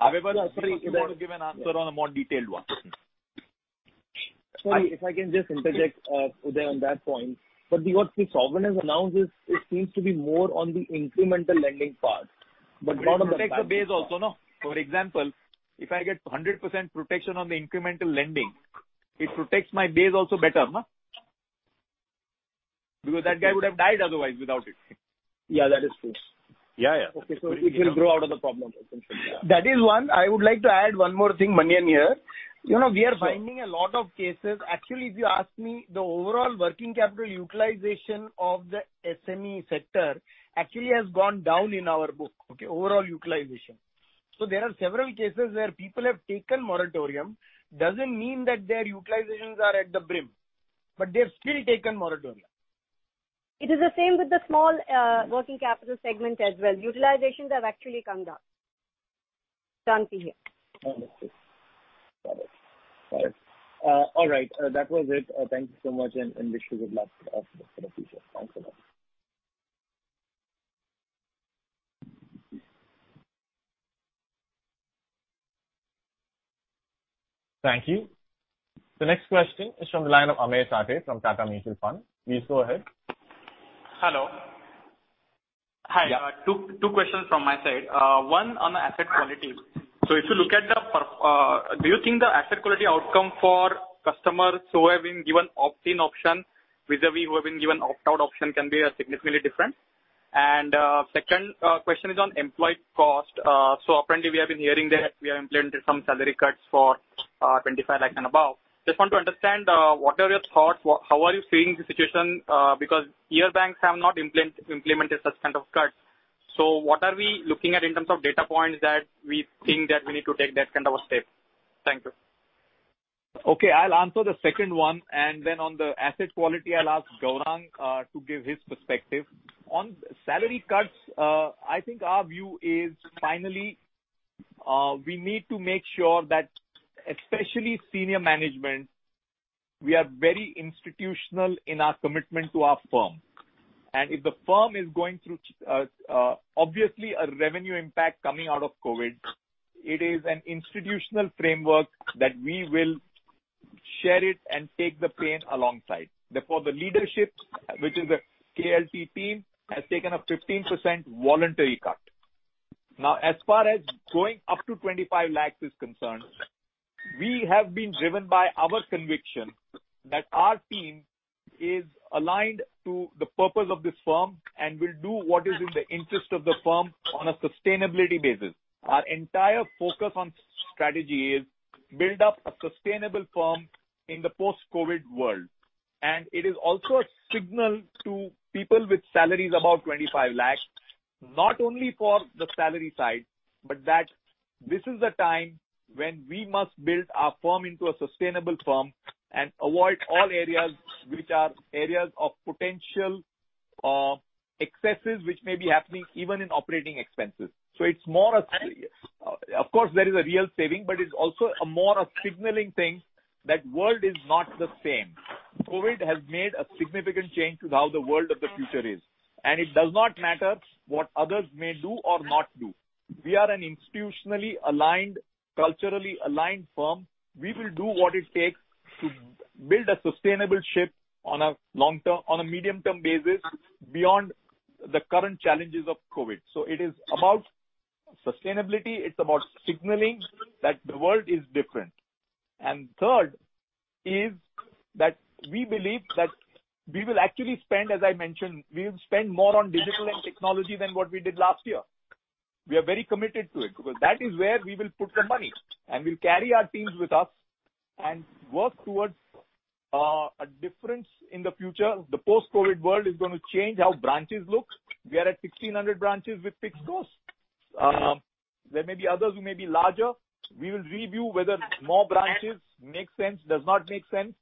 However, sorry, if you want to give an answer on a more detailed one.
Sorry, if I can just interject on that point, but what the sovereign has announced is, it seems, to be more on the incremental lending part, but not on the-
It protects the base also, no? For example, if I get 100% protection on the incremental lending, it protects my base also better, no? Because that guy would have died otherwise without it.
Yeah, that is true.
Yeah, yeah.
Okay, so it will grow out of the problem. That is one. I would like to add one more thing, Manian, here. You know, we are finding a lot of cases... Actually, if you ask me, the overall working capital utilization of the SME sector actually has gone down in our book, okay? Overall utilization. So there are several cases where people have taken moratorium, doesn't mean that their utilizations are at the brim, but they've still taken moratorium.
It is the same with the small working capital segment as well. Utilizations have actually come down here.
Understood. Got it. Got it. All right, that was it. Thank you so much, and, and wish you good luck, for the future. Thanks a lot.
Thank you. The next question is from the line of Amit Sathe from Tata Mutual Fund. Please go ahead.
Hello. Hi.
Yeah.
Two questions from my side. One on asset quality. So if you look at the performance, do you think the asset quality outcome for customers who have been given opt-in option, vis-à-vis who have been given opt-out option, can be significantly different? And, second, question is on employee cost. So apparently we have been hearing that we have implemented some salary cuts for twenty-five lakh and above. Just want to understand what are your thoughts? How are you seeing the situation? Because your banks have not implemented such kind of cuts. So what are we looking at in terms of data points that we think that we need to take that kind of a step? Thank you.
Okay, I'll answer the second one, and then on the asset quality, I'll ask Gaurang to give his perspective. On salary cuts, I think our view is finally we need to make sure that especially senior management, we are very institutional in our commitment to our firm. And if the firm is going through, obviously a revenue impact coming out of COVID, it is an institutional framework that we will share it and take the pain alongside. Therefore, the leadership, which is the KLT team, has taken a 15% voluntary cut. Now, as far as going up to 25 lakhs is concerned, we have been driven by our conviction that our team is aligned to the purpose of this firm and will do what is in the interest of the firm on a sustainability basis. Our entire focus on strategy is to build up a sustainable firm in the post-COVID world, and it is also a signal to people with salaries above 25 lakh, not only for the salary side, but that this is the time when we must build our firm into a sustainable firm and avoid all areas which are areas of potential excesses, which may be happening even in operating expenses. So it's more a... Of course, there is a real saving, but it's also a more a signaling thing, that world is not the same. COVID has made a significant change to how the world of the future is, and it does not matter what others may do or not do. We are an institutionally aligned, culturally aligned firm. We will do what it takes to build a sustainable ship on a long-term, on a medium-term basis beyond the current challenges of COVID. So it is about sustainability, it's about signaling that the world is different. And third is that we believe that we will actually spend, as I mentioned, we will spend more on digital and technology than what we did last year. We are very committed to it, because that is where we will put the money, and we'll carry our teams with us and work towards a difference in the future. The post-COVID world is going to change how branches look. We are at 1,600 branches with fixed costs. There may be others who may be larger. We will review whether more branches make sense, does not make sense.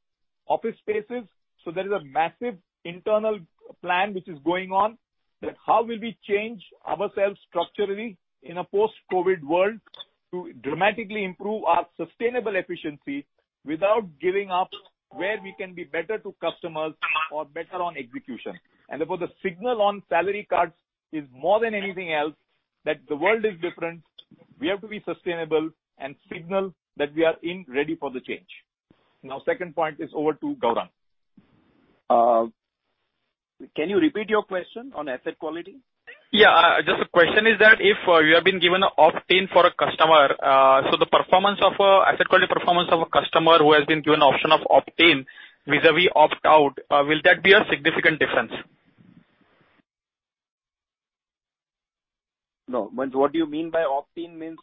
Office spaces, so there is a massive internal plan which is going on, that how will we change ourselves structurally in a post-COVID world to dramatically improve our sustainable efficiency without giving up where we can be better to customers or better on execution. And therefore, the signal on salary cuts is more than anything else, that the world is different, we have to be sustainable and signal that we are in ready for the change. Now, second point is over to Gaurang.
Can you repeat your question on asset quality?
Yeah, just the question is that if you have been given an opt-in for a customer, so the performance of asset quality performance of a customer who has been given the option of opt-in vis-a-vis opt-out, will that be a significant difference?
No, but what do you mean by opt-in means?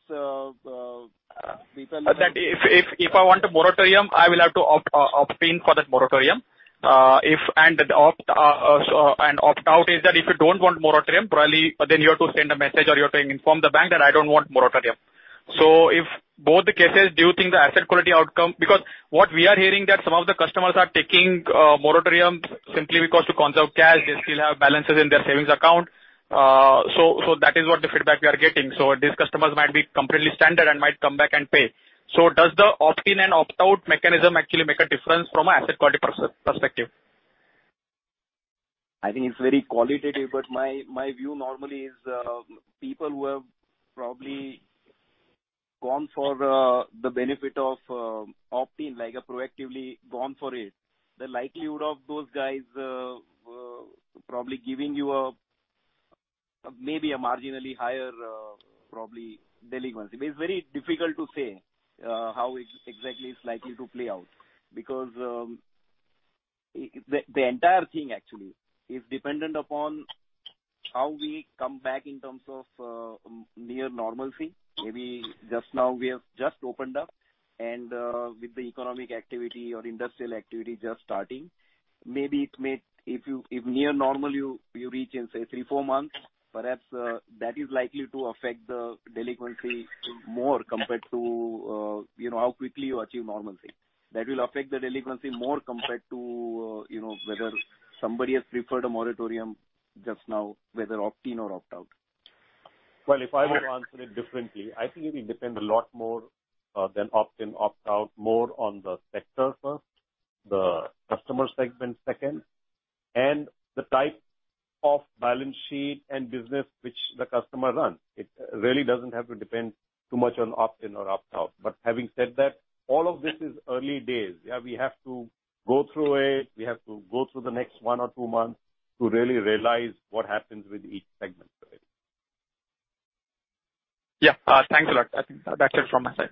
We tell you-
That if I want a moratorium, I will have to opt-in for that moratorium. If and the opt-out is that if you don't want moratorium, probably, then you have to send a message or you have to inform the bank that I don't want moratorium. So if both the cases, do you think the asset quality outcome? Because what we are hearing, that some of the customers are taking moratorium simply because to conserve cash, they still have balances in their savings account. So that is what the feedback we are getting. So these customers might be completely standard and might come back and pay. So does the opt-in and opt-out mechanism actually make a difference from a asset quality perspective?...
I think it's very qualitative, but my view normally is, people who have probably gone for, the benefit of, opt-in, like, have proactively gone for it, the likelihood of those guys, probably giving you a, maybe a marginally higher, probably delinquency. But it's very difficult to say, how it exactly is likely to play out. Because, the entire thing actually is dependent upon how we come back in terms of, near normalcy. Maybe just now we have just opened up, and, with the economic activity or industrial activity just starting, maybe it may, if near normal, you reach in, say, three, four months, perhaps, that is likely to affect the delinquency more compared to, you know, how quickly you achieve normalcy. That will affect the delinquency more compared to, you know, whether somebody has preferred a moratorium just now, whether opt-in or opt-out.
If I were to answer it differently, I think it depends a lot more than opt-in, opt-out, more on the sector first, the customer segment second, and the type of balance sheet and business which the customer runs. It really doesn't have to depend too much on opt-in or opt-out. But having said that, all of this is early days, where we have to go through it, we have to go through the next one or two months to really realize what happens with each segment of it.
Yeah, thanks a lot. I think that's it from my side.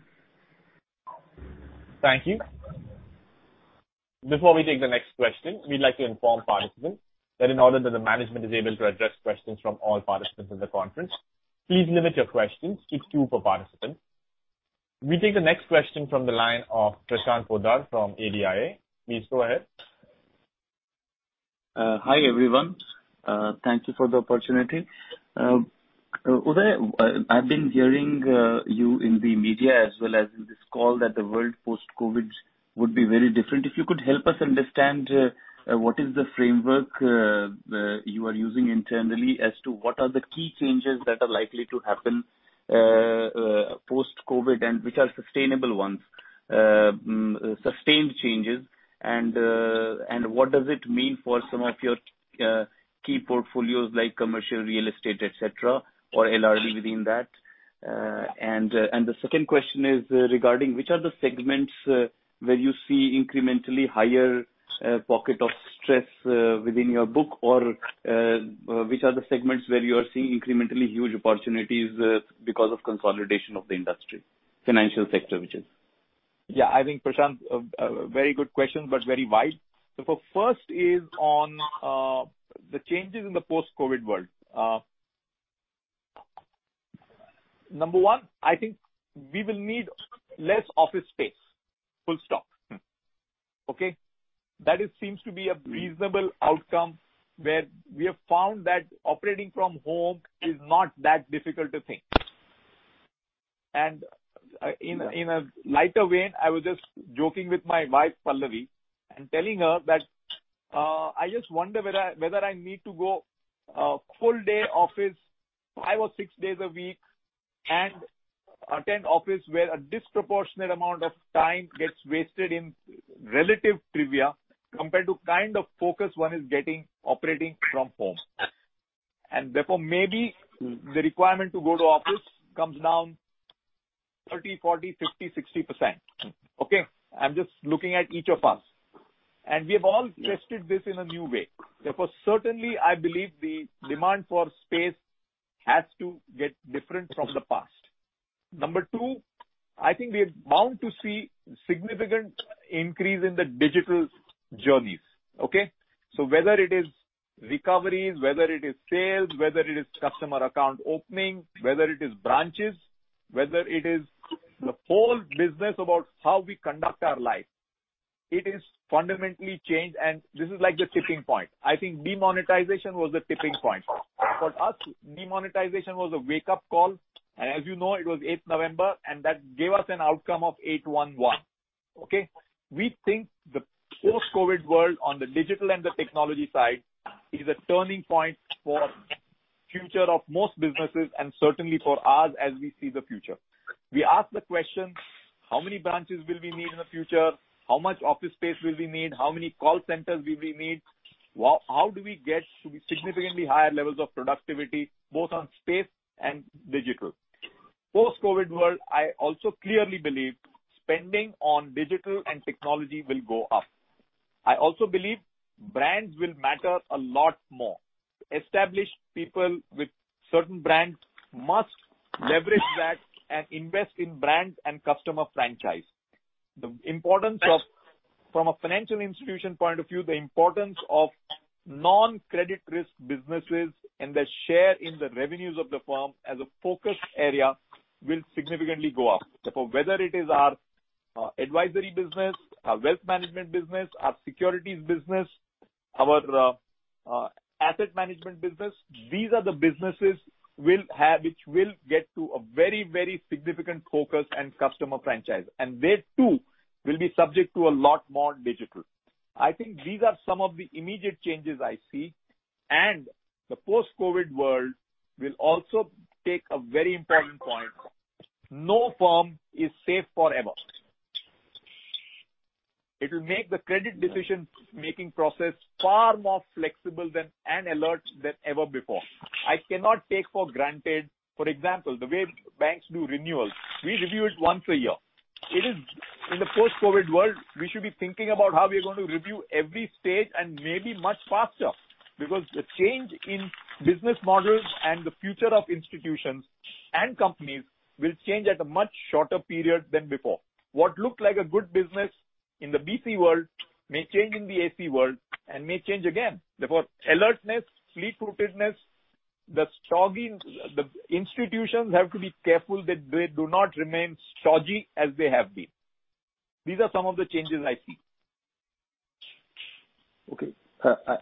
Thank you. Before we take the next question, we'd like to inform participants that in order that the management is able to address questions from all participants in the conference, please limit your questions to two per participant. We take the next question from the line of Prashant Poddar from ADIA. Please go ahead.
Hi, everyone. Thank you for the opportunity. Uday, I've been hearing you in the media as well as in this call, that the world post-COVID would be very different. If you could help us understand what is the framework you are using internally as to what are the key changes that are likely to happen post-COVID, and which are sustainable ones, sustained changes, and what does it mean for some of your key portfolios like commercial real estate, et cetera, or LRD within that? And the second question is regarding which are the segments where you see incrementally higher pocket of stress within your book? Which are the segments where you are seeing incrementally huge opportunities, because of consolidation of the industry, financial sector, which is?
Yeah, I think, Prashant, very good question, but very wide. So first is on the changes in the post-COVID world. Number one, I think we will need less office space. Full stop. Okay? That it seems to be a reasonable outcome where we have found that operating from home is not that difficult a thing. And, in a lighter vein, I was just joking with my wife, Pallavi, and telling her that, I just wonder whether I need to go full day office, five or six days a week, and attend office, where a disproportionate amount of time gets wasted in relative trivia compared to kind of focus one is getting operating from home. And therefore, maybe the requirement to go to office comes down 30, 40, 50, 60%. Okay? I'm just looking at each of us, and we have all tested this in a new way. Therefore, certainly, I believe the demand for space has to get different from the past. Number two, I think we're bound to see significant increase in the digital journeys. Okay? So whether it is recoveries, whether it is sales, whether it is customer account opening, whether it is branches, whether it is the whole business about how we conduct our life, it is fundamentally changed, and this is like the tipping point. I think demonetization was the tipping point. For us, demonetization was a wake-up call, and as you know, it was eighth November, and that gave us an outcome of 811. Okay? We think the post-COVID world on the digital and the technology side is a turning point for future of most businesses and certainly for ours as we see the future. We ask the question: How many branches will we need in the future? How much office space will we need? How many call centers will we need? How do we get to significantly higher levels of productivity, both on space and digital? Post-COVID world, I also clearly believe spending on digital and technology will go up. I also believe brands will matter a lot more. Established people with certain brands must leverage that and invest in brands and customer franchise. The importance of... From a financial institution point of view, the importance of non-credit risk businesses and their share in the revenues of the firm as a focus area will significantly go up. Therefore, whether it is our advisory business, our wealth management business, our securities business, our asset management business, these are the businesses we'll have, which will get to a very, very significant focus and customer franchise, and they, too, will be subject to a lot more digital. I think these are some of the immediate changes I see, and the post-COVID world will also take a very important point: No firm is safe forever.... It will make the credit decision-making process far more flexible than, and alert than ever before. I cannot take for granted, for example, the way banks do renewals, we review it once a year. It is in the post-COVID world, we should be thinking about how we are going to review every stage and maybe much faster, because the change in business models and the future of institutions and companies will change at a much shorter period than before. What looked like a good business in the BC world may change in the AC world and may change again. Therefore, alertness, fleet-footedness, the stodgy institutions have to be careful that they do not remain stodgy as they have been. These are some of the changes I see.
Okay.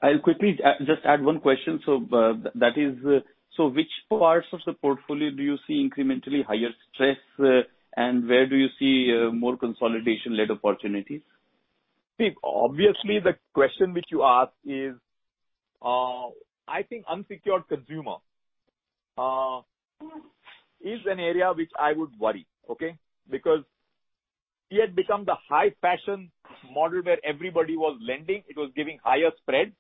I'll quickly just add one question. So, that is, so which parts of the portfolio do you see incrementally higher stress, and where do you see more consolidation-led opportunities?
Obviously, the question which you ask is, I think unsecured consumer is an area which I would worry, okay? Because it had become the high-fashion model where everybody was lending, it was giving higher spreads,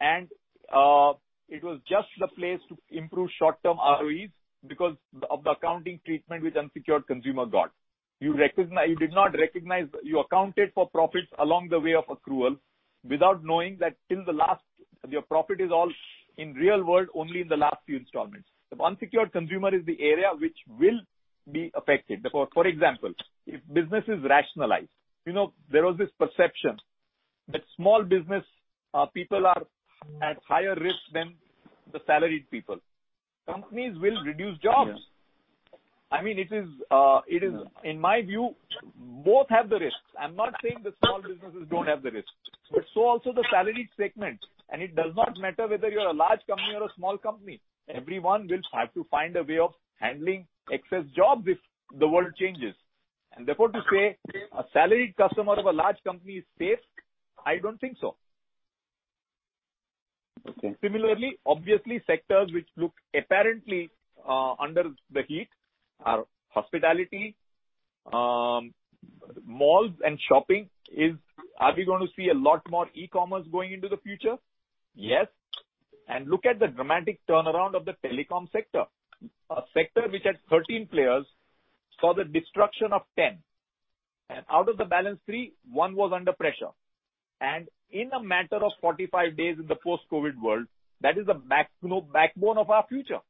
and it was just the place to improve short-term ROEs because of the accounting treatment which unsecured consumer got. You did not recognize... You accounted for profits along the way of accrual without knowing that till the last, your profit is all in real world, only in the last few installments. The unsecured consumer is the area which will be affected. Therefore, for example, if business is rationalized, you know, there was this perception that small business people are at higher risk than the salaried people. Companies will reduce jobs.
Yeah.
I mean, it is-
Yeah.
In my view, both have the risks. I'm not saying the small businesses don't have the risk, but so also the salaried segment, and it does not matter whether you're a large company or a small company, everyone will have to find a way of handling excess jobs if the world changes. And therefore, to say a salaried customer of a large company is safe, I don't think so.
Okay.
Similarly, obviously, sectors which looked apparently under the heat are hospitality, malls and shopping. Are we going to see a lot more e-commerce going into the future? Yes. And look at the dramatic turnaround of the telecom sector. A sector which had 13 players, saw the destruction of 10, and out of the balance 3, one was under pressure. And in a matter of 45 days in the post-COVID world, that is, you know, the backbone of our future.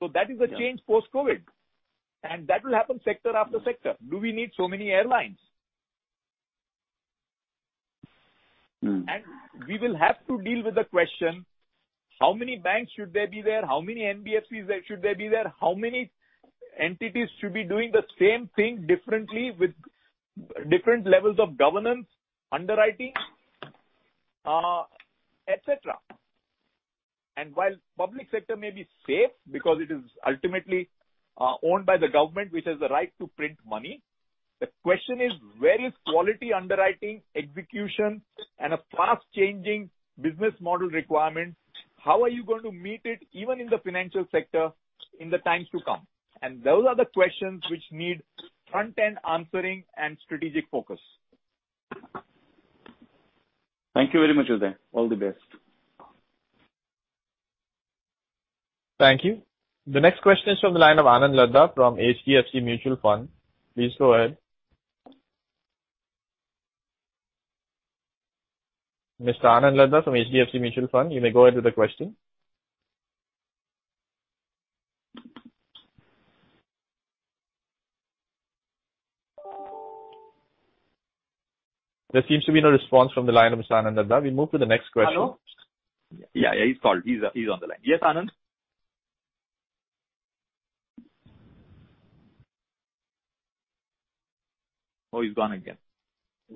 So that is a change-
Yeah.
post-COVID, and that will happen sector after sector. Do we need so many airlines?
Mm.
We will have to deal with the question: how many banks should there be there? How many NBFCs there, should there be there? How many entities should be doing the same thing differently with different levels of governance, underwriting, et cetera? And while public sector may be safe because it is ultimately owned by the government, which has the right to print money, the question is: where is quality underwriting, execution, and a fast-changing business model requirement, how are you going to meet it, even in the financial sector, in the times to come? And those are the questions which need front-end answering and strategic focus.
Thank you very much, Uday. All the best.
Thank you. The next question is from the line of Anand Laddha from HDFC Mutual Fund. Please go ahead. Mr. Anand Laddha from HDFC Mutual Fund, you may go ahead with the question. There seems to be no response from the line of Mr. Anand Laddha. We move to the next question.
Hello? Yeah, yeah, he's called. He's, he's on the line. Yes, Anand? Oh, he's gone again.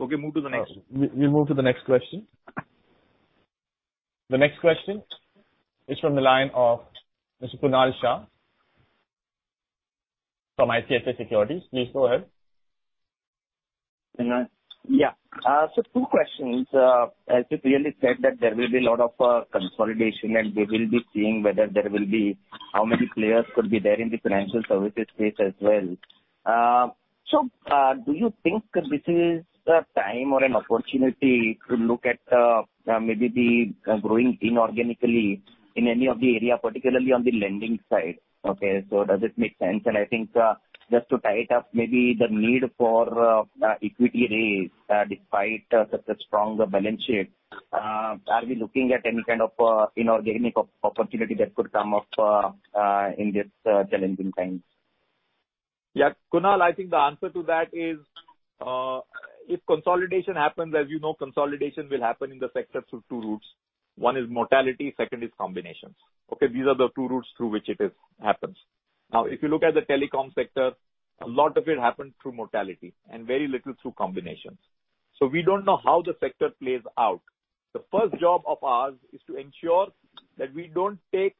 Okay, move to the next.
We move to the next question. The next question is from the line of Mr. Kunal Shah from ICICI Securities. Please go ahead.
Yeah. So two questions. As you clearly said, that there will be a lot of consolidation, and we will be seeing whether there will be... how many players could be there in the financial services space as well. So, do you think this is a time or an opportunity to look at maybe the growing inorganically in any of the area, particularly on the lending side? Okay, so does it make sense? And I think, just to tie it up, maybe the need for equity raise, despite such a strong balance sheet, are we looking at any kind of inorganic opportunity that could come up in this challenging times?
Yeah, Kunal, I think the answer to that is, if consolidation happens, as you know, consolidation will happen in the sector through two routes. One is mortality, second is combinations. Okay? These are the two routes through which it happens. Now, if you look at the telecom sector, a lot of it happened through mortality and very little through combinations. So we don't know how the sector plays out. The first job of ours is to ensure that we don't take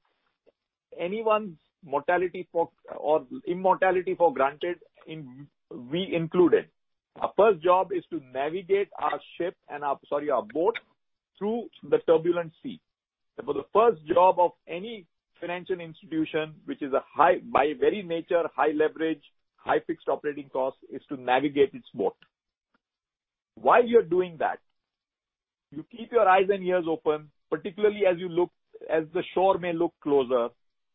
anyone's mortality or immortality for granted, including we. Our first job is to navigate our ship and our... sorry, our boat!... through the turbulent sea. Therefore, the first job of any financial institution, which is, by very nature, high leverage, high fixed operating cost, is to navigate its boat. While you're doing that, you keep your eyes and ears open, particularly as you look, as the shore may look closer,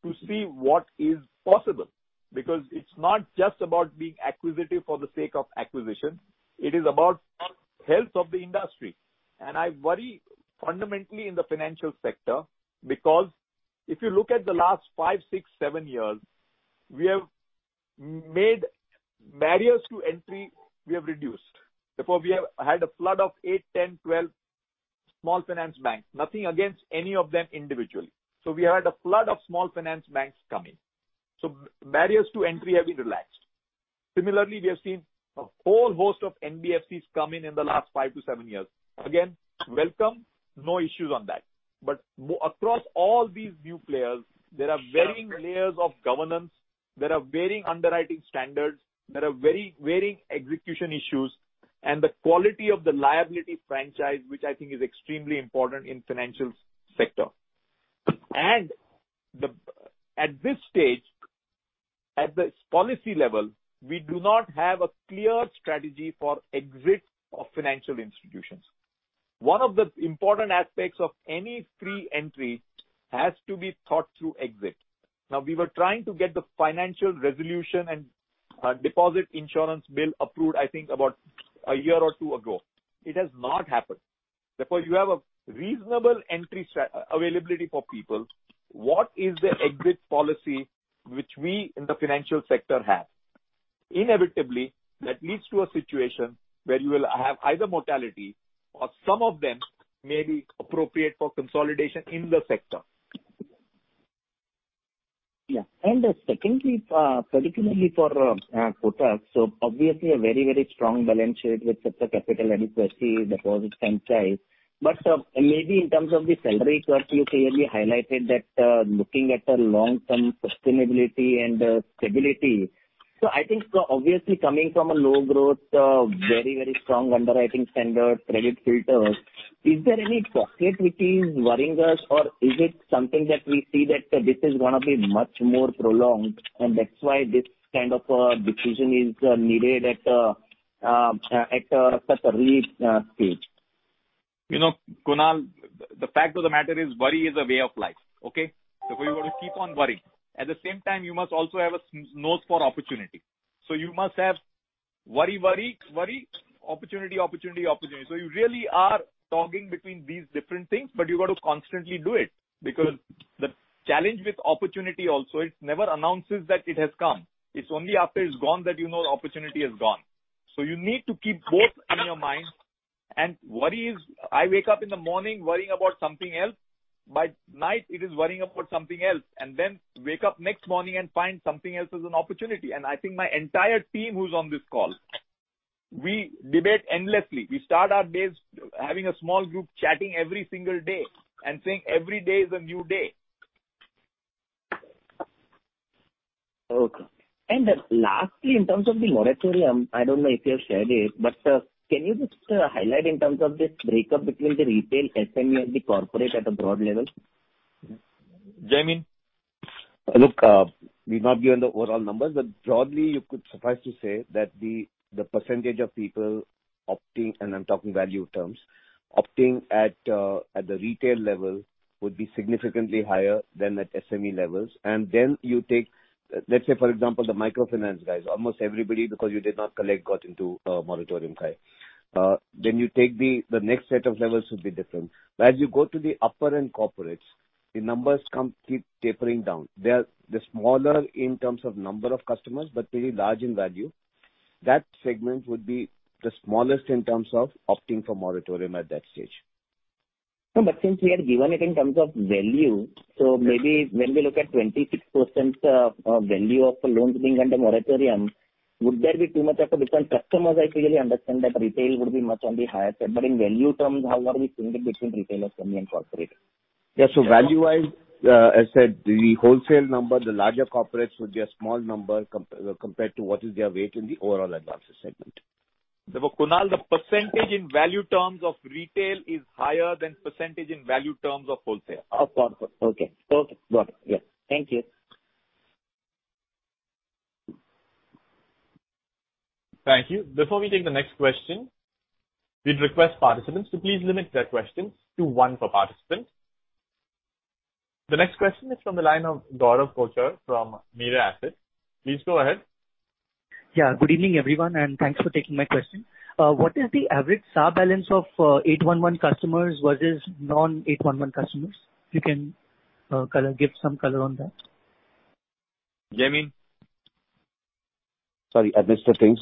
to see what is possible, because it's not just about being acquisitive for the sake of acquisition, it is about health of the industry. And I worry fundamentally in the financial sector, because if you look at the last five, six, seven years, we have made barriers to entry, we have reduced. Therefore, we have had a flood of eight, 10, 12 small finance banks. Nothing against any of them individually. So we have had a flood of small finance banks come in. So barriers to entry have been relaxed. Similarly, we have seen a whole host of NBFCs come in in the last five to seven years. Again, welcome. No issues on that. Across all these new players, there are varying layers of governance, there are varying underwriting standards, there are very varying execution issues, and the quality of the liability franchise, which I think is extremely important in financial sector. And at this stage, at the policy level, we do not have a clear strategy for exit of financial institutions. One of the important aspects of any free entry has to be thought through exit. Now, we were trying to get the Financial Resolution and Deposit Insurance Bill approved, I think, about a year or two ago. It has not happened. Therefore, you have a reasonable entry availability for people. What is the exit policy which we in the financial sector have? Inevitably, that leads to a situation where you will have either mortality or some of them may be appropriate for consolidation in the sector.
Yeah. And, secondly, particularly for Kotak, so obviously a very, very strong balance sheet with such a capital adequacy that was its franchise. But, maybe in terms of the yield curve, you clearly highlighted that, looking at the long-term sustainability and, stability. So I think so obviously coming from a low growth, very, very strong underwriting standard, credit filters, is there any pocket which is worrying us? Or is it something that we see that this is gonna be much more prolonged, and that's why this kind of decision is needed at such a reset stage?
You know, Kunal, the fact of the matter is, worry is a way of life, okay? So you're going to keep on worrying. At the same time, you must also have a sense for opportunity. So you must have worry, worry, worry, opportunity, opportunity, opportunity. So you really are toggling between these different things, but you've got to constantly do it. Because the challenge with opportunity also, it never announces that it has come. It's only after it's gone that you know the opportunity has gone. So you need to keep both in your mind. Worry is, I wake up in the morning worrying about something else, by night it is worrying about something else, and then wake up next morning and find something else as an opportunity. I think my entire team who's on this call, we debate endlessly. We start our days having a small group chatting every single day and saying, "Every day is a new day.
Okay. And lastly, in terms of the moratorium, I don't know if you have shared it, but can you just highlight in terms of this breakup between the retail SME and the corporate at a broad level?
Jaimin?
Look, we've not given the overall numbers, but broadly, you could suffice to say that the percentage of people opting, and I'm talking value terms, opting at the retail level would be significantly higher than at SME levels. And then you take, let's say, for example, the microfinance guys. Almost everybody, because you did not collect, got into a moratorium. Yeah. Then you take the next set of levels would be different. But as you go to the upper end corporates, the numbers keep tapering down. They are smaller in terms of number of customers, but very large in value. That segment would be the smallest in terms of opting for moratorium at that stage.
No, but since we have given it in terms of value, so maybe when we look at 26% of value of the loans being under moratorium, would there be too much of a difference? Customers, I clearly understand that retail would be much on the higher side, but in value terms, how are we seeing the difference between retail and SME and corporate?
Yeah, so value-wise, I said the wholesale number, the larger corporates, would be a small number compared to what is their weight in the overall advances segment.
Kunal, the percentage in value terms of retail is higher than percentage in value terms of wholesale.
Of course. Okay. Okay, got it. Yeah. Thank you.
Thank you. Before we take the next question, we'd request participants to please limit their questions to one per participant. The next question is from the line of Gaurav Kochar from Mirae Asset. Please go ahead.
Yeah, good evening, everyone, and thanks for taking my question. What is the average SA balance of 811 customers versus non-811 customers? You can give some color on that.
Jamin?
Sorry, I missed the things.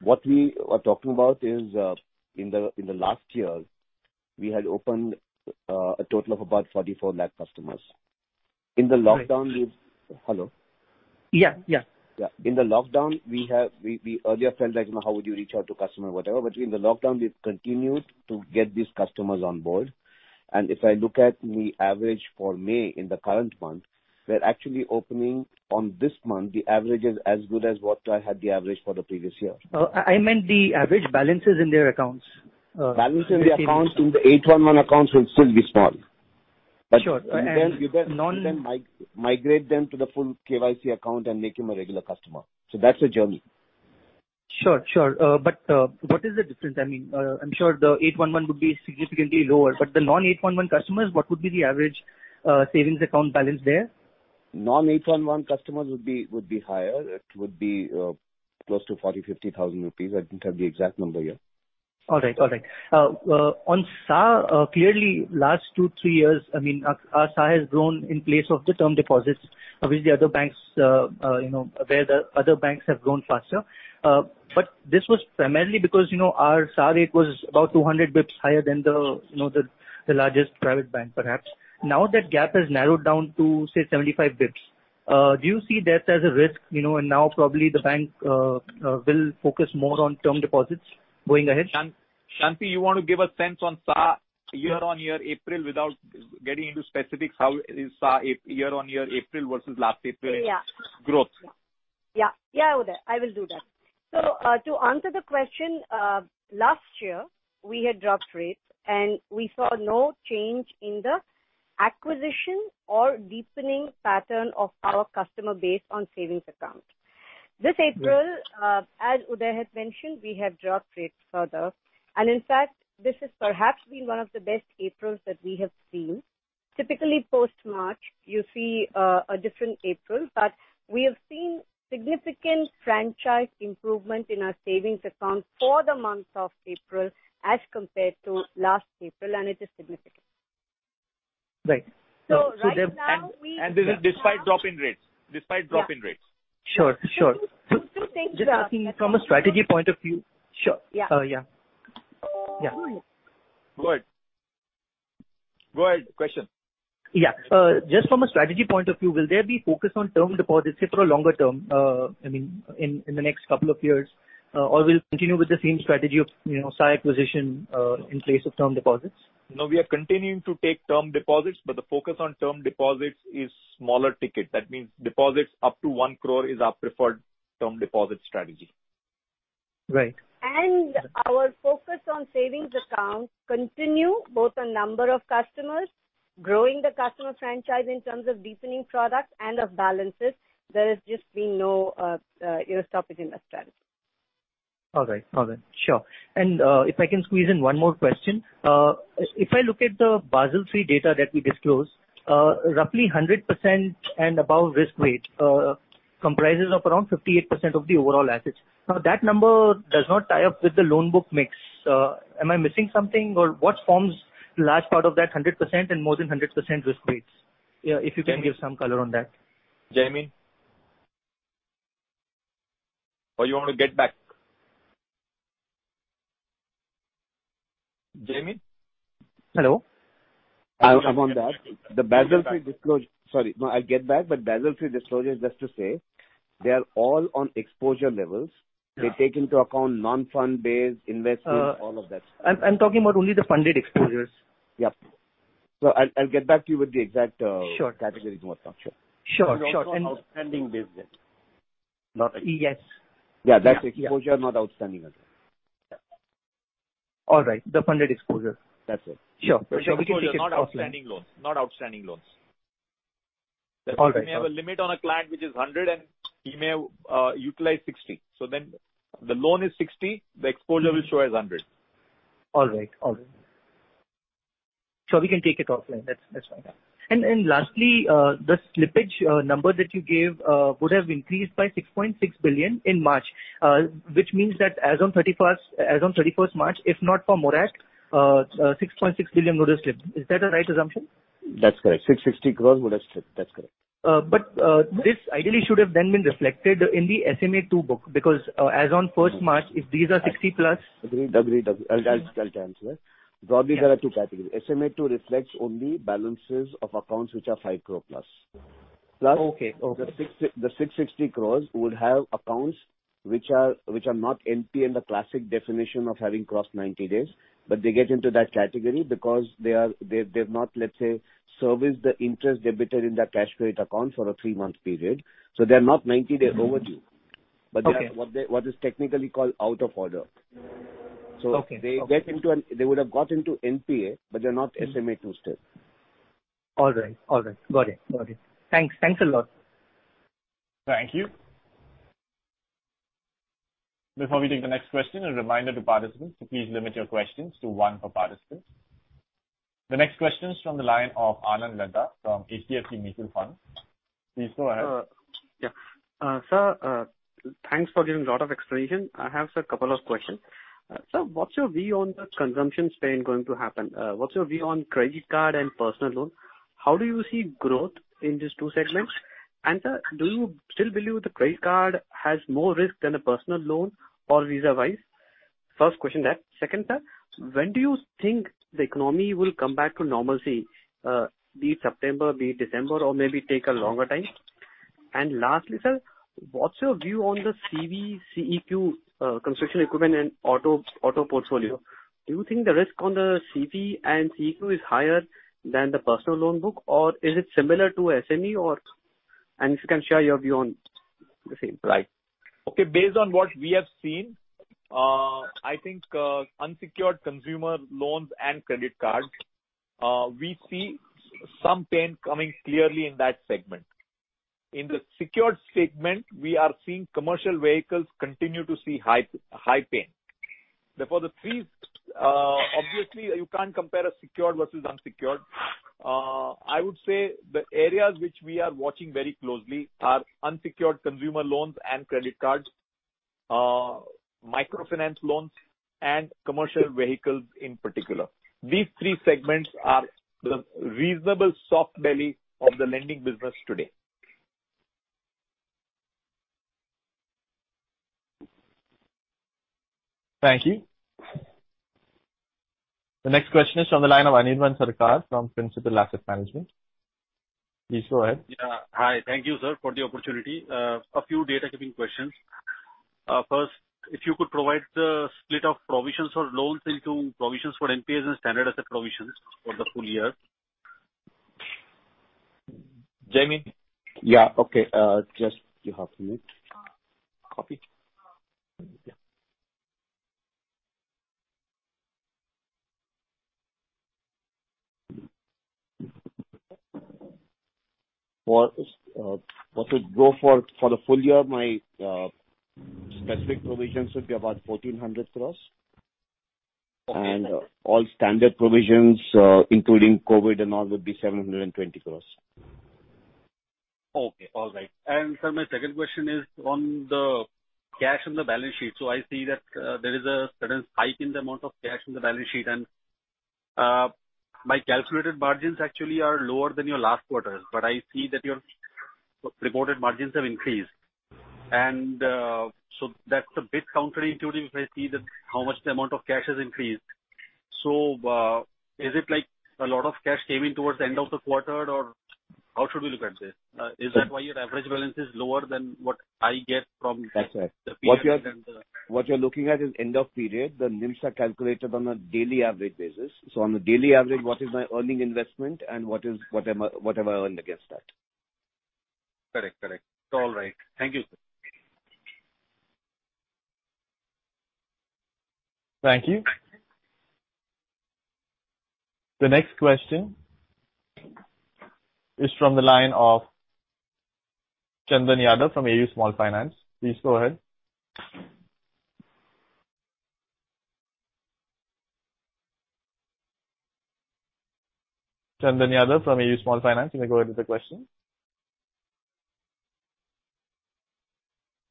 What we are talking about is, in the last year, we had opened a total of about forty-four lakh customers. In the lockdown, we've-
Right.
Hello?
Yeah, yeah.
Yeah. In the lockdown, we have. We earlier felt like, how would you reach out to customer, whatever? But in the lockdown, we've continued to get these customers on board. And if I look at the average for May in the current month, we're actually opening on this month, the average is as good as what I had the average for the previous year.
I meant the average balances in their accounts.
Balances in the accounts, in the 811 accounts will still be small.
Sure, and non-
Then migrate them to the full KYC account and make him a regular customer. So that's a journey.
Sure, sure. But, what is the difference? I mean, I'm sure the non-811 would be significantly lower, but the non-811 customers, what would be the average savings account balance there?
811 customers would be higher. It would be close to 40,000-50,000 rupees. I don't have the exact number yet.
All right. All right. On SA, clearly, last two, three years, I mean, our SA has grown in place of the term deposits with the other banks, you know, where the other banks have grown faster. But this was primarily because, you know, our SA rate was about 200 basis points higher than the, you know, the largest private bank, perhaps. Now, that gap has narrowed down to, say, 75 basis points. Do you see that as a risk, you know, and now probably the bank will focus more on term deposits going ahead?
Shanti, you want to give a sense on SA year-on-year April? Without getting into specifics, how is SA year-on-year April versus last April?
Yeah.
Growth.
Yeah. Yeah, Uday, I will do that. So, to answer the question, last year, we had dropped rates, and we saw no change in the acquisition or deepening pattern of our customer base on savings accounts.
Right.
This April, as Uday had mentioned, we have dropped rates further. And in fact, this has perhaps been one of the best Aprils that we have seen. Typically, post-March, you see, a different April, but we have seen significant franchise improvement in our savings accounts for the month of April as compared to last April, and it is significant.
Right.
So right now, we-
This is despite drop in rates.
Yeah.
Sure, sure.
Two things
Just asking from a strategy point of view... Sure.
Yeah.
Yeah. Yeah.
Go ahead. Go ahead, question.
Yeah, just from a strategy point of view, will there be focus on term deposits, say, for a longer term, I mean, in the next couple of years? Or we'll continue with the same strategy of, you know, SA acquisition, in place of term deposits?
No, we are continuing to take term deposits, but the focus on term deposits is smaller ticket. That means deposits up to one crore is our preferred term deposit strategy.
Right.
Our focus on savings accounts continue both on number of customers, growing the customer franchise in terms of deepening products and of balances. There has just been no stopping in that strategy.
All right. All right, sure, and if I can squeeze in one more question. If I look at the Basel III data that we disclosed, roughly 100% and above risk weight comprises of around 58% of the overall assets. Now, that number does not tie up with the loan book mix. Am I missing something, or what forms large part of that 100% and more than 100% risk weights? If you can give some color on that.
Jaimin? Or you want to get back? Jaimin?
Hello?
I want to ask, the Basel III disclosure... Sorry, no, I get back, but Basel III disclosure is just to say they are all on exposure levels.
Yeah.
They take into account non-fund based investments, all of that.
I'm talking about only the funded exposures.
Yep. So I'll get back to you with the exact,
Sure.
Categories. Sure.
Sure, sure, and-
And also outstanding business.
Not... Yes.
Yeah, that's exposure, not outstanding business. Yeah.
All right, the funded exposure.
That's it.
Sure. Sure, we can take it.
Exposure, not outstanding loans. Not outstanding loans.
All right.
We have a limit on a client, which is 100, and he may utilize 60. So then the loan is 60, the exposure will show as 100.
All right. All right. Sure, we can take it offline. That's fine. And lastly, the slippage number that you gave would have increased by 6.6 billion in March, which means that as on thirty-first March, if not for moratorium, 6.6 billion would have slipped. Is that a right assumption?
That's correct. 6.6 billion would have slipped. That's correct.
But, this ideally should have then been reflected in the SMA-2 book, because, as on first March, if these are sixty plus-
Agreed. I'll answer. Broadly, there are two categories. SMA-2 reflects only balances of accounts which are five crore plus.
Okay, okay.
Plus, the six sixty crores would have accounts which are not NPA in the classic definition of having crossed ninety days, but they get into that category because they are... They've not, let's say, serviced the interest debited in their cash credit account for a three-month period, so they're not ninety-day overdue.
Okay.
But they are what is technically called out of order.
Okay, okay.
They would have got into NPA, but they're not SMA-2 still.
All right. All right. Got it. Got it. Thanks. Thanks a lot.
Thank you. Before we take the next question, a reminder to participants to please limit your questions to one per participant. The next question is from the line of Anand Ladha from HDFC Mutual Fund. Please go ahead.
Yeah. Sir, thanks for giving a lot of explanation. I have, sir, a couple of questions. Sir, what's your view on the consumption spend going to happen? What's your view on credit card and personal loan? How do you see growth in these two segments? And, sir, do you still believe the credit card has more risk than a personal loan or vice versa? First question there. Second, sir, when do you think the economy will come back to normalcy? Be it September, be it December, or maybe take a longer time?...
And lastly, sir, what's your view on the CV, CE, construction equipment and auto portfolio? Do you think the risk on the CV and CE is higher than the personal loan book or is it similar to SME or? And if you can share your view on the same.
Right. Okay, based on what we have seen, I think, unsecured consumer loans and credit cards, we see some pain coming clearly in that segment. In the secured segment, we are seeing commercial vehicles continue to see high, high pain. Therefore, the three, obviously, you can't compare a secured versus unsecured. I would say the areas which we are watching very closely are unsecured consumer loans and credit cards, microfinance loans and commercial vehicles in particular. These three segments are the reasonable soft belly of the lending business today.
Thank you. The next question is on the line of Anirvan Sarkar from Principal Asset Management. Please go ahead.
Yeah. Hi, thank you, sir, for the opportunity. A few housekeeping questions. First, if you could provide the split of provisions for loans into provisions for NPAs and standard asset provisions for the full year?
Jamie?
Yeah, okay. Just give half a minute.
Copy.
Yeah. For the full year, my specific provisions would be about 1,400 crores.
Okay.
And all standard provisions, including COVID and all, would be 720 crore.
Okay, all right, and sir, my second question is on the cash on the balance sheet, so I see that there is a certain spike in the amount of cash on the balance sheet, and my calculated margins actually are lower than your last quarter, but I see that your reported margins have increased, and so that's a bit counterintuitive if I see that how much the amount of cash has increased, so is it like a lot of cash came in towards the end of the quarter, or how should we look at this? Is that why your average balance is lower than what I get from the-
That's right.
the previous and the
What you're looking at is end of period. The NIMs are calculated on a daily average basis. So on a daily average, what is my earning investment and what have I earned against that?
Correct. Correct. All right. Thank you.
Thank you. The next question is from the line of Chandan Yadav from AU Small Finance. Please go ahead. Chandan Yadav from AU Small Finance, can you go ahead with the question?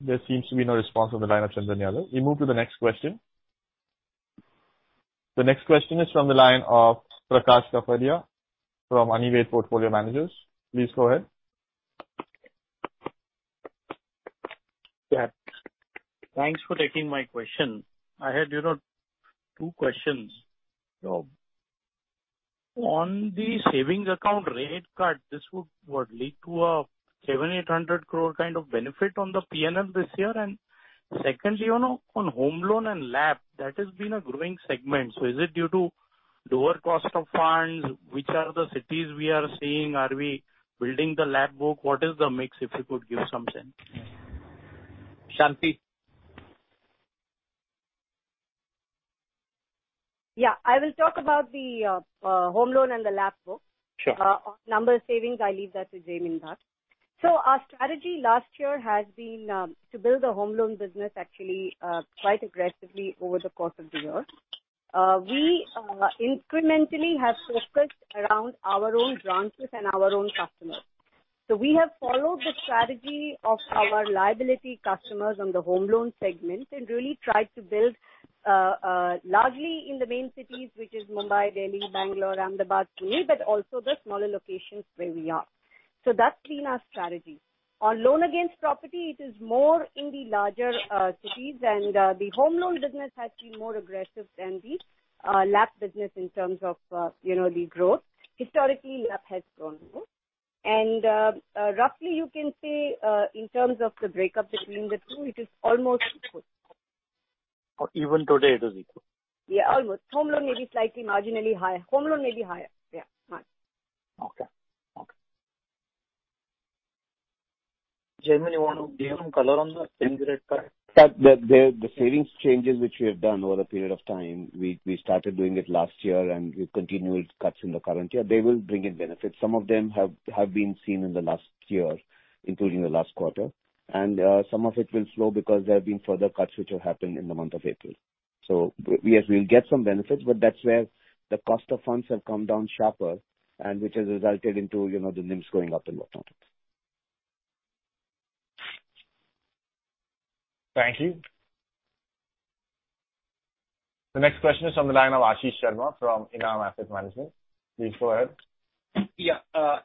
There seems to be no response on the line of Chandan Yadav. We move to the next question. The next question is from the line of Prakash Kapadia from Anvil Portfolio Managers. Please go ahead.
Yeah. Thanks for taking my question. I had, you know, two questions. So on the savings account rate cut, this would, what, lead to a 700-800 crore kind of benefit on the P&L this year? And secondly, you know, on home loan and LAP, that has been a growing segment. So is it due to lower cost of funds? Which are the cities we are seeing? Are we building the LAP book? What is the mix, if you could give some sense?
Shanti?
Yeah, I will talk about the home loan and the loan book.
Sure.
On number savings, I leave that to Jaimin Bhatt. So our strategy last year has been to build a home loan business actually quite aggressively over the course of the year. We incrementally have focused around our own branches and our own customers. So we have followed the strategy of our liability customers on the home loan segment and really tried to build largely in the main cities, which is Mumbai, Delhi, Bangalore, Ahmedabad, Pune, but also the smaller locations where we are. So that's been our strategy. On loan against property, it is more in the larger cities, and the home loan business has been more aggressive than the LAP business in terms of you know the growth. Historically, LAP has grown more. Roughly you can say, in terms of the breakup between the two, it is almost equal.
Even today, it is equal?
Yeah, almost. Home loan may be slightly, marginally higher. Home loan may be higher. Yeah. Higher.
Okay. Okay.
Jaimin, you want to give him color on the interest rate cut?
The savings changes which we have done over a period of time, we started doing it last year, and we've continued cuts in the current year. They will bring in benefits. Some of them have been seen in the last year, including the last quarter. And some of it will show because there have been further cuts which have happened in the month of April. So we'll get some benefits, but that's where the cost of funds have come down sharper and which has resulted into the NIMs going up and whatnot.
Thank you. The next question is from the line of Ashish Sharma from Enam Asset Management. Please go ahead.
Yeah,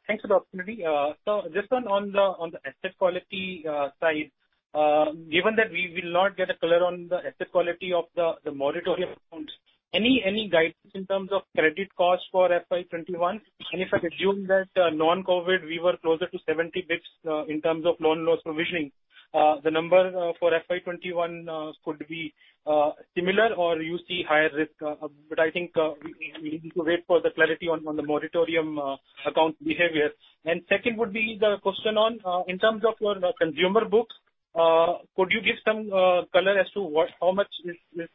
thanks for the opportunity. So just on the asset quality side, given that we will not get a color on the asset quality of the moratorium accounts-...
any guidance in terms of credit costs for FY twenty-one? And if I assume that, non-COVID, we were closer to seventy basis points, in terms of loan loss provisioning, the number, for FY twenty-one, could be, similar or you see higher risk, but I think, we need to wait for the clarity on, the moratorium, account behavior. And second would be the question on, in terms of your consumer book, could you give some, color as to what, how much is,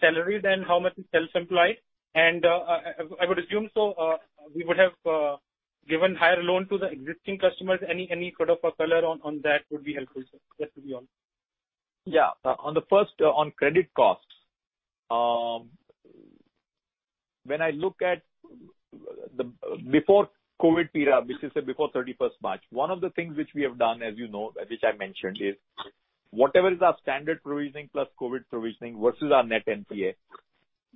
salaried and how much is self-employed? And, I would assume, so, we would have, given higher loan to the existing customers. Any sort of a color on, that would be helpful, sir, just to be on.
Yeah. On the first, on credit costs, when I look at the before COVID era, which is say, before thirty-first March, one of the things which we have done, as you know, which I mentioned, is whatever is our standard provisioning, plus COVID provisioning versus our net NPA,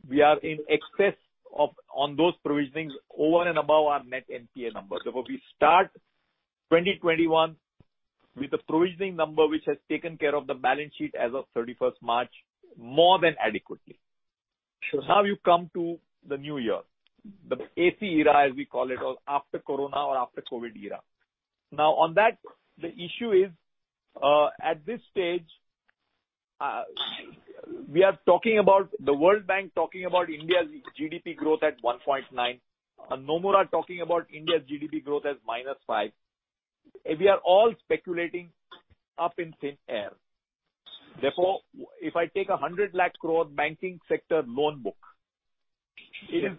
we are in excess of, on those provisionings over and above our net NPA number. So we start twenty twenty-one with the provisioning number, which has taken care of the balance sheet as of thirty-first March, more than adequately.
Sure.
Now, you come to the new year, the AC era, as we call it, or after Corona or after COVID era. Now, on that, the issue is, at this stage, we are talking about the World Bank talking about India's GDP growth at 1.9%, and Nomura talking about India's GDP growth as -5%. We are all speculating up in the air. Therefore, if I take a hundred lakh crore banking sector loan book, it is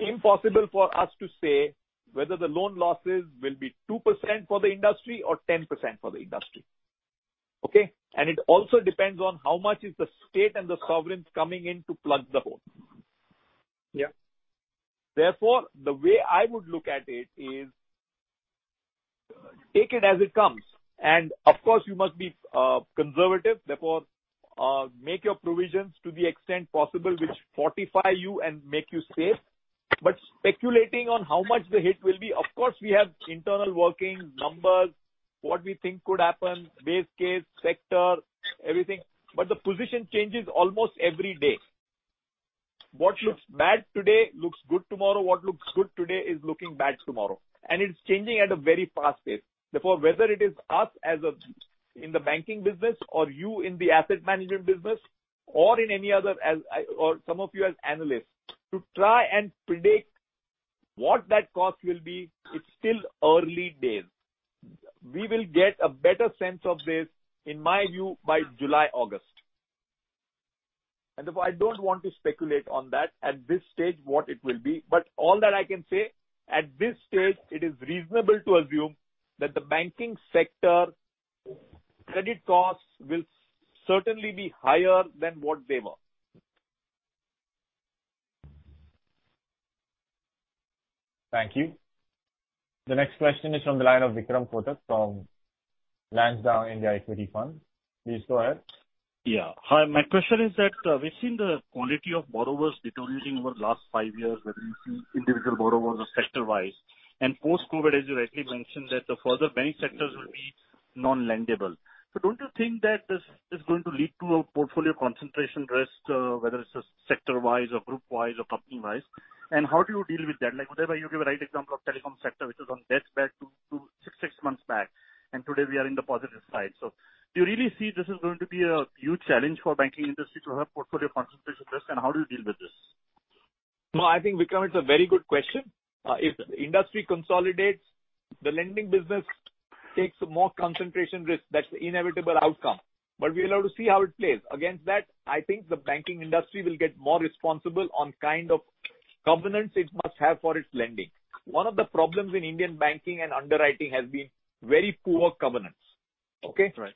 impossible for us to say whether the loan losses will be 2% for the industry or 10% for the industry. Okay? And it also depends on how much is the state and the sovereigns coming in to plug the hole.
Yeah.
Therefore, the way I would look at it is, take it as it comes, and of course, you must be conservative. Therefore, make your provisions to the extent possible, which fortify you and make you safe. But speculating on how much the hit will be, of course, we have internal workings, numbers, what we think could happen, base case, sector, everything, but the position changes almost every day. What looks bad today, looks good tomorrow. What looks good today, is looking bad tomorrow. And it's changing at a very fast pace. Therefore, whether it is us in the banking business or you in the asset management business or in any other, or some of you as analysts, to try and predict what that cost will be, it's still early days. We will get a better sense of this, in my view, by July, August. And therefore, I don't want to speculate on that at this stage, what it will be. But all that I can say, at this stage, it is reasonable to assume that the banking sector credit costs will certainly be higher than what they were.
Thank you. The next question is from the line of Vikram Kotak from Lansdowne India Equity Fund. Please go ahead.
Yeah. Hi, my question is that, we've seen the quality of borrowers deteriorating over the last five years, whether we see individual borrowers or sector-wise, and post-COVID, as you rightly mentioned, that the further banking sectors will be non-lendable. So don't you think that this is going to lead to a portfolio concentration risk, whether it's sector-wise or group-wise or company-wise? And how do you deal with that? Like, whenever you give a right example of telecom sector, which is on deathbed to six months back, and today we are in the positive side. So do you really see this is going to be a huge challenge for banking industry to have portfolio concentration risk, and how do you deal with this?
No, I think, Vikram, it's a very good question. If the industry consolidates, the lending business takes more concentration risk. That's the inevitable outcome. But we'll have to see how it plays. Against that, I think the banking industry will get more responsible on kind of governance it must have for its lending. One of the problems in Indian banking and underwriting has been very poor governance. Okay?
Right.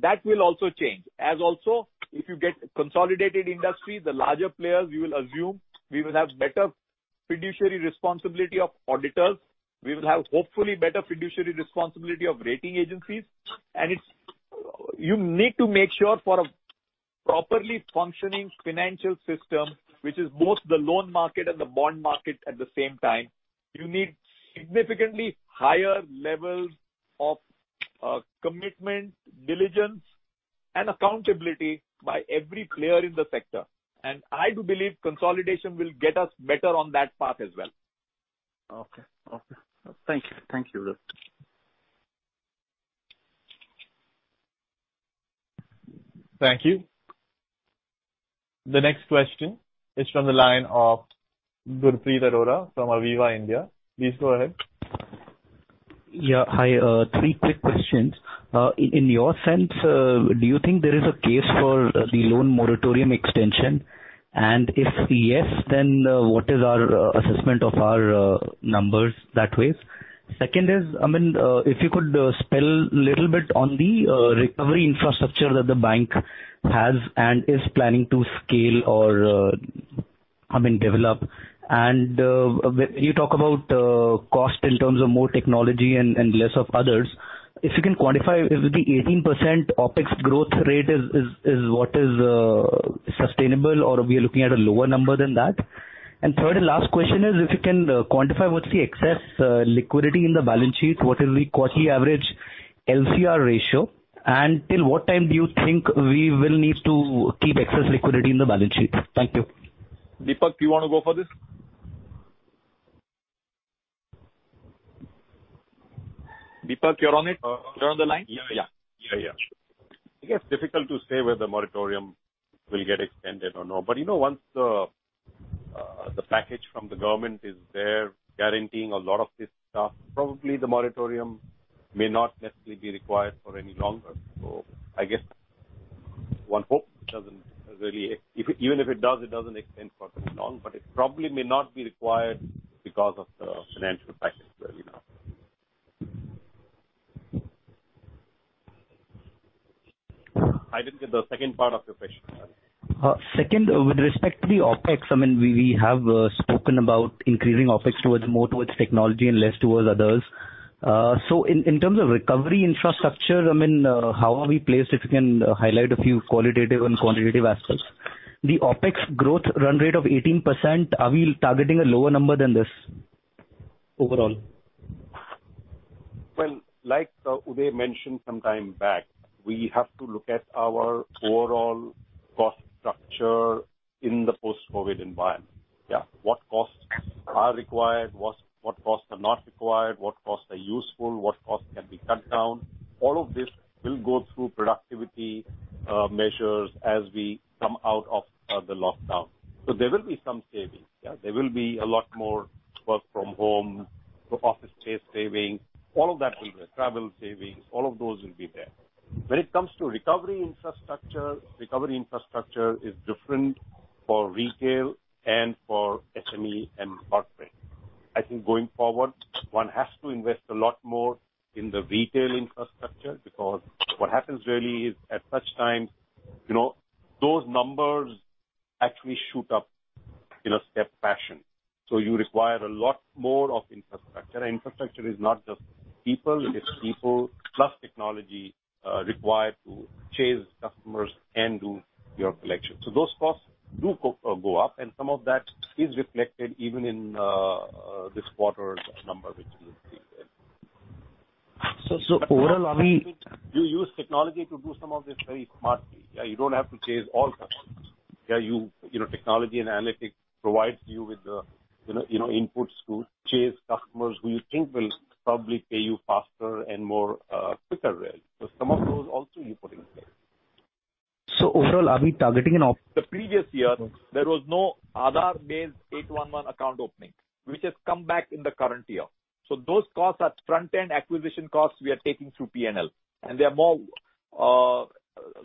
That will also change. As also, if you get consolidated industry, the larger players, we will assume we will have better fiduciary responsibility of auditors. We will have, hopefully, better fiduciary responsibility of rating agencies. And it's... You need to make sure for a properly functioning financial system, which is both the loan market and the bond market at the same time, you need significantly higher levels of commitment, diligence, and accountability by every player in the sector. And I do believe consolidation will get us better on that path as well.
Okay. Okay. Thank you. Thank you, Rohit.
Thank you. The next question is from the line of Gurpreet Arora from Aviva India. Please go ahead.
Yeah. Hi, three quick questions. In your sense, do you think there is a case for the loan moratorium extension? And if yes, then what is our assessment of our numbers that way? Second is, I mean, if you could elaborate a little bit on the recovery infrastructure that the bank has and is planning to scale or, I mean, develop. And when you talk about cost in terms of more technology and less of others, if you can quantify, is it the 18% OpEx growth rate is what is sustainable, or we are looking at a lower number than that? ... And third and last question is, if you can, quantify what's the excess liquidity in the balance sheets? What is the quarterly average LCR ratio? And till what time do you think we will need to keep excess liquidity in the balance sheets? Thank you.
Deepak, do you want to go for this?
Deepak, you're on it? You're on the line?
Yeah, yeah. I guess difficult to say whether the moratorium will get extended or not. But, you know, once the package from the government is there, guaranteeing a lot of this stuff, probably the moratorium may not necessarily be required for any longer. So I guess, one hopes it doesn't really, even if it does, it doesn't extend for very long, but it probably may not be required because of the financial package that we know.
I didn't get the second part of your question.
Second, with respect to the OpEx, I mean, we have spoken about increasing OpEx towards more towards technology and less towards others. So in terms of recovery infrastructure, I mean, how are we placed, if you can highlight a few qualitative and quantitative aspects? The OpEx growth run rate of 18%, are we targeting a lower number than this overall?
Like, Uday mentioned some time back, we have to look at our overall cost structure in the post-COVID environment. Yeah. What costs are required, what costs are not required, what costs are useful, what costs can be cut down? All of this will go through productivity measures as we come out of the lockdown. So there will be some savings. Yeah, there will be a lot more work from home, office space saving, all of that will be there. Travel savings, all of those will be there. When it comes to recovery infrastructure, recovery infrastructure is different for retail and for SME and corporate. I think going forward, one has to invest a lot more in the retail infrastructure, because what happens really is, at such times, you know, those numbers actually shoot up in a step fashion, so you require a lot more of infrastructure. Infrastructure is not just people, it is people plus technology required to chase customers and do your collection. So those costs do go up, and some of that is reflected even in this quarter's number, which you see there.
So, overall, are we-
You use technology to do some of this very smartly. Yeah, you don't have to chase all customers. Yeah, you... You know, technology and analytics provides you with the, you know, inputs to chase customers who you think will probably pay you faster and more quicker really. So some of those also you put in place.
So overall, are we targeting an op-
The previous year, there was no Aadhaar-based 811 account opening, which has come back in the current year. So those costs are front-end acquisition costs we are taking through P&L, and they are more,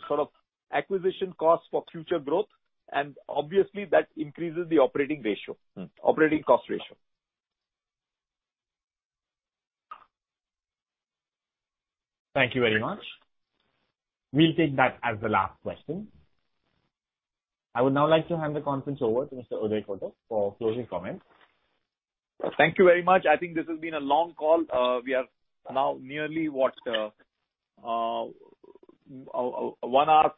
sort of acquisition costs for future growth, and obviously, that increases the operating ratio, operating cost ratio.
Thank you very much. We'll take that as the last question. I would now like to hand the conference over to Mr. Uday Kotak for closing comments.
Thank you very much. I think this has been a long call. We are now nearly one hour,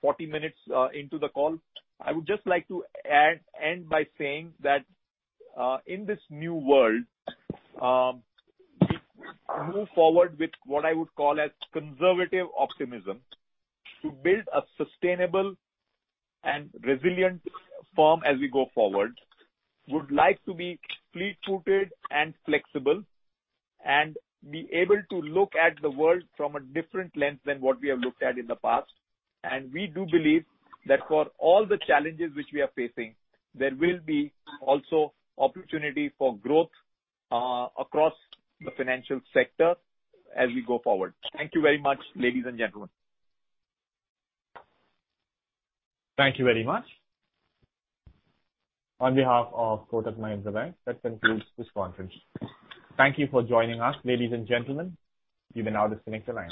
forty minutes into the call. I would just like to add, end by saying that, in this new world, move forward with what I would call as conservative optimism, to build a sustainable and resilient firm as we go forward. Would like to be fleet-footed and flexible, and be able to look at the world from a different lens than what we have looked at in the past. And we do believe that for all the challenges which we are facing, there will be also opportunity for growth across the financial sector as we go forward. Thank you very much, ladies and gentlemen.
Thank you very much. On behalf of Kotak Mahindra Bank, that concludes this conference.
Thank you for joining us, ladies and gentlemen. You may now disconnect your lines.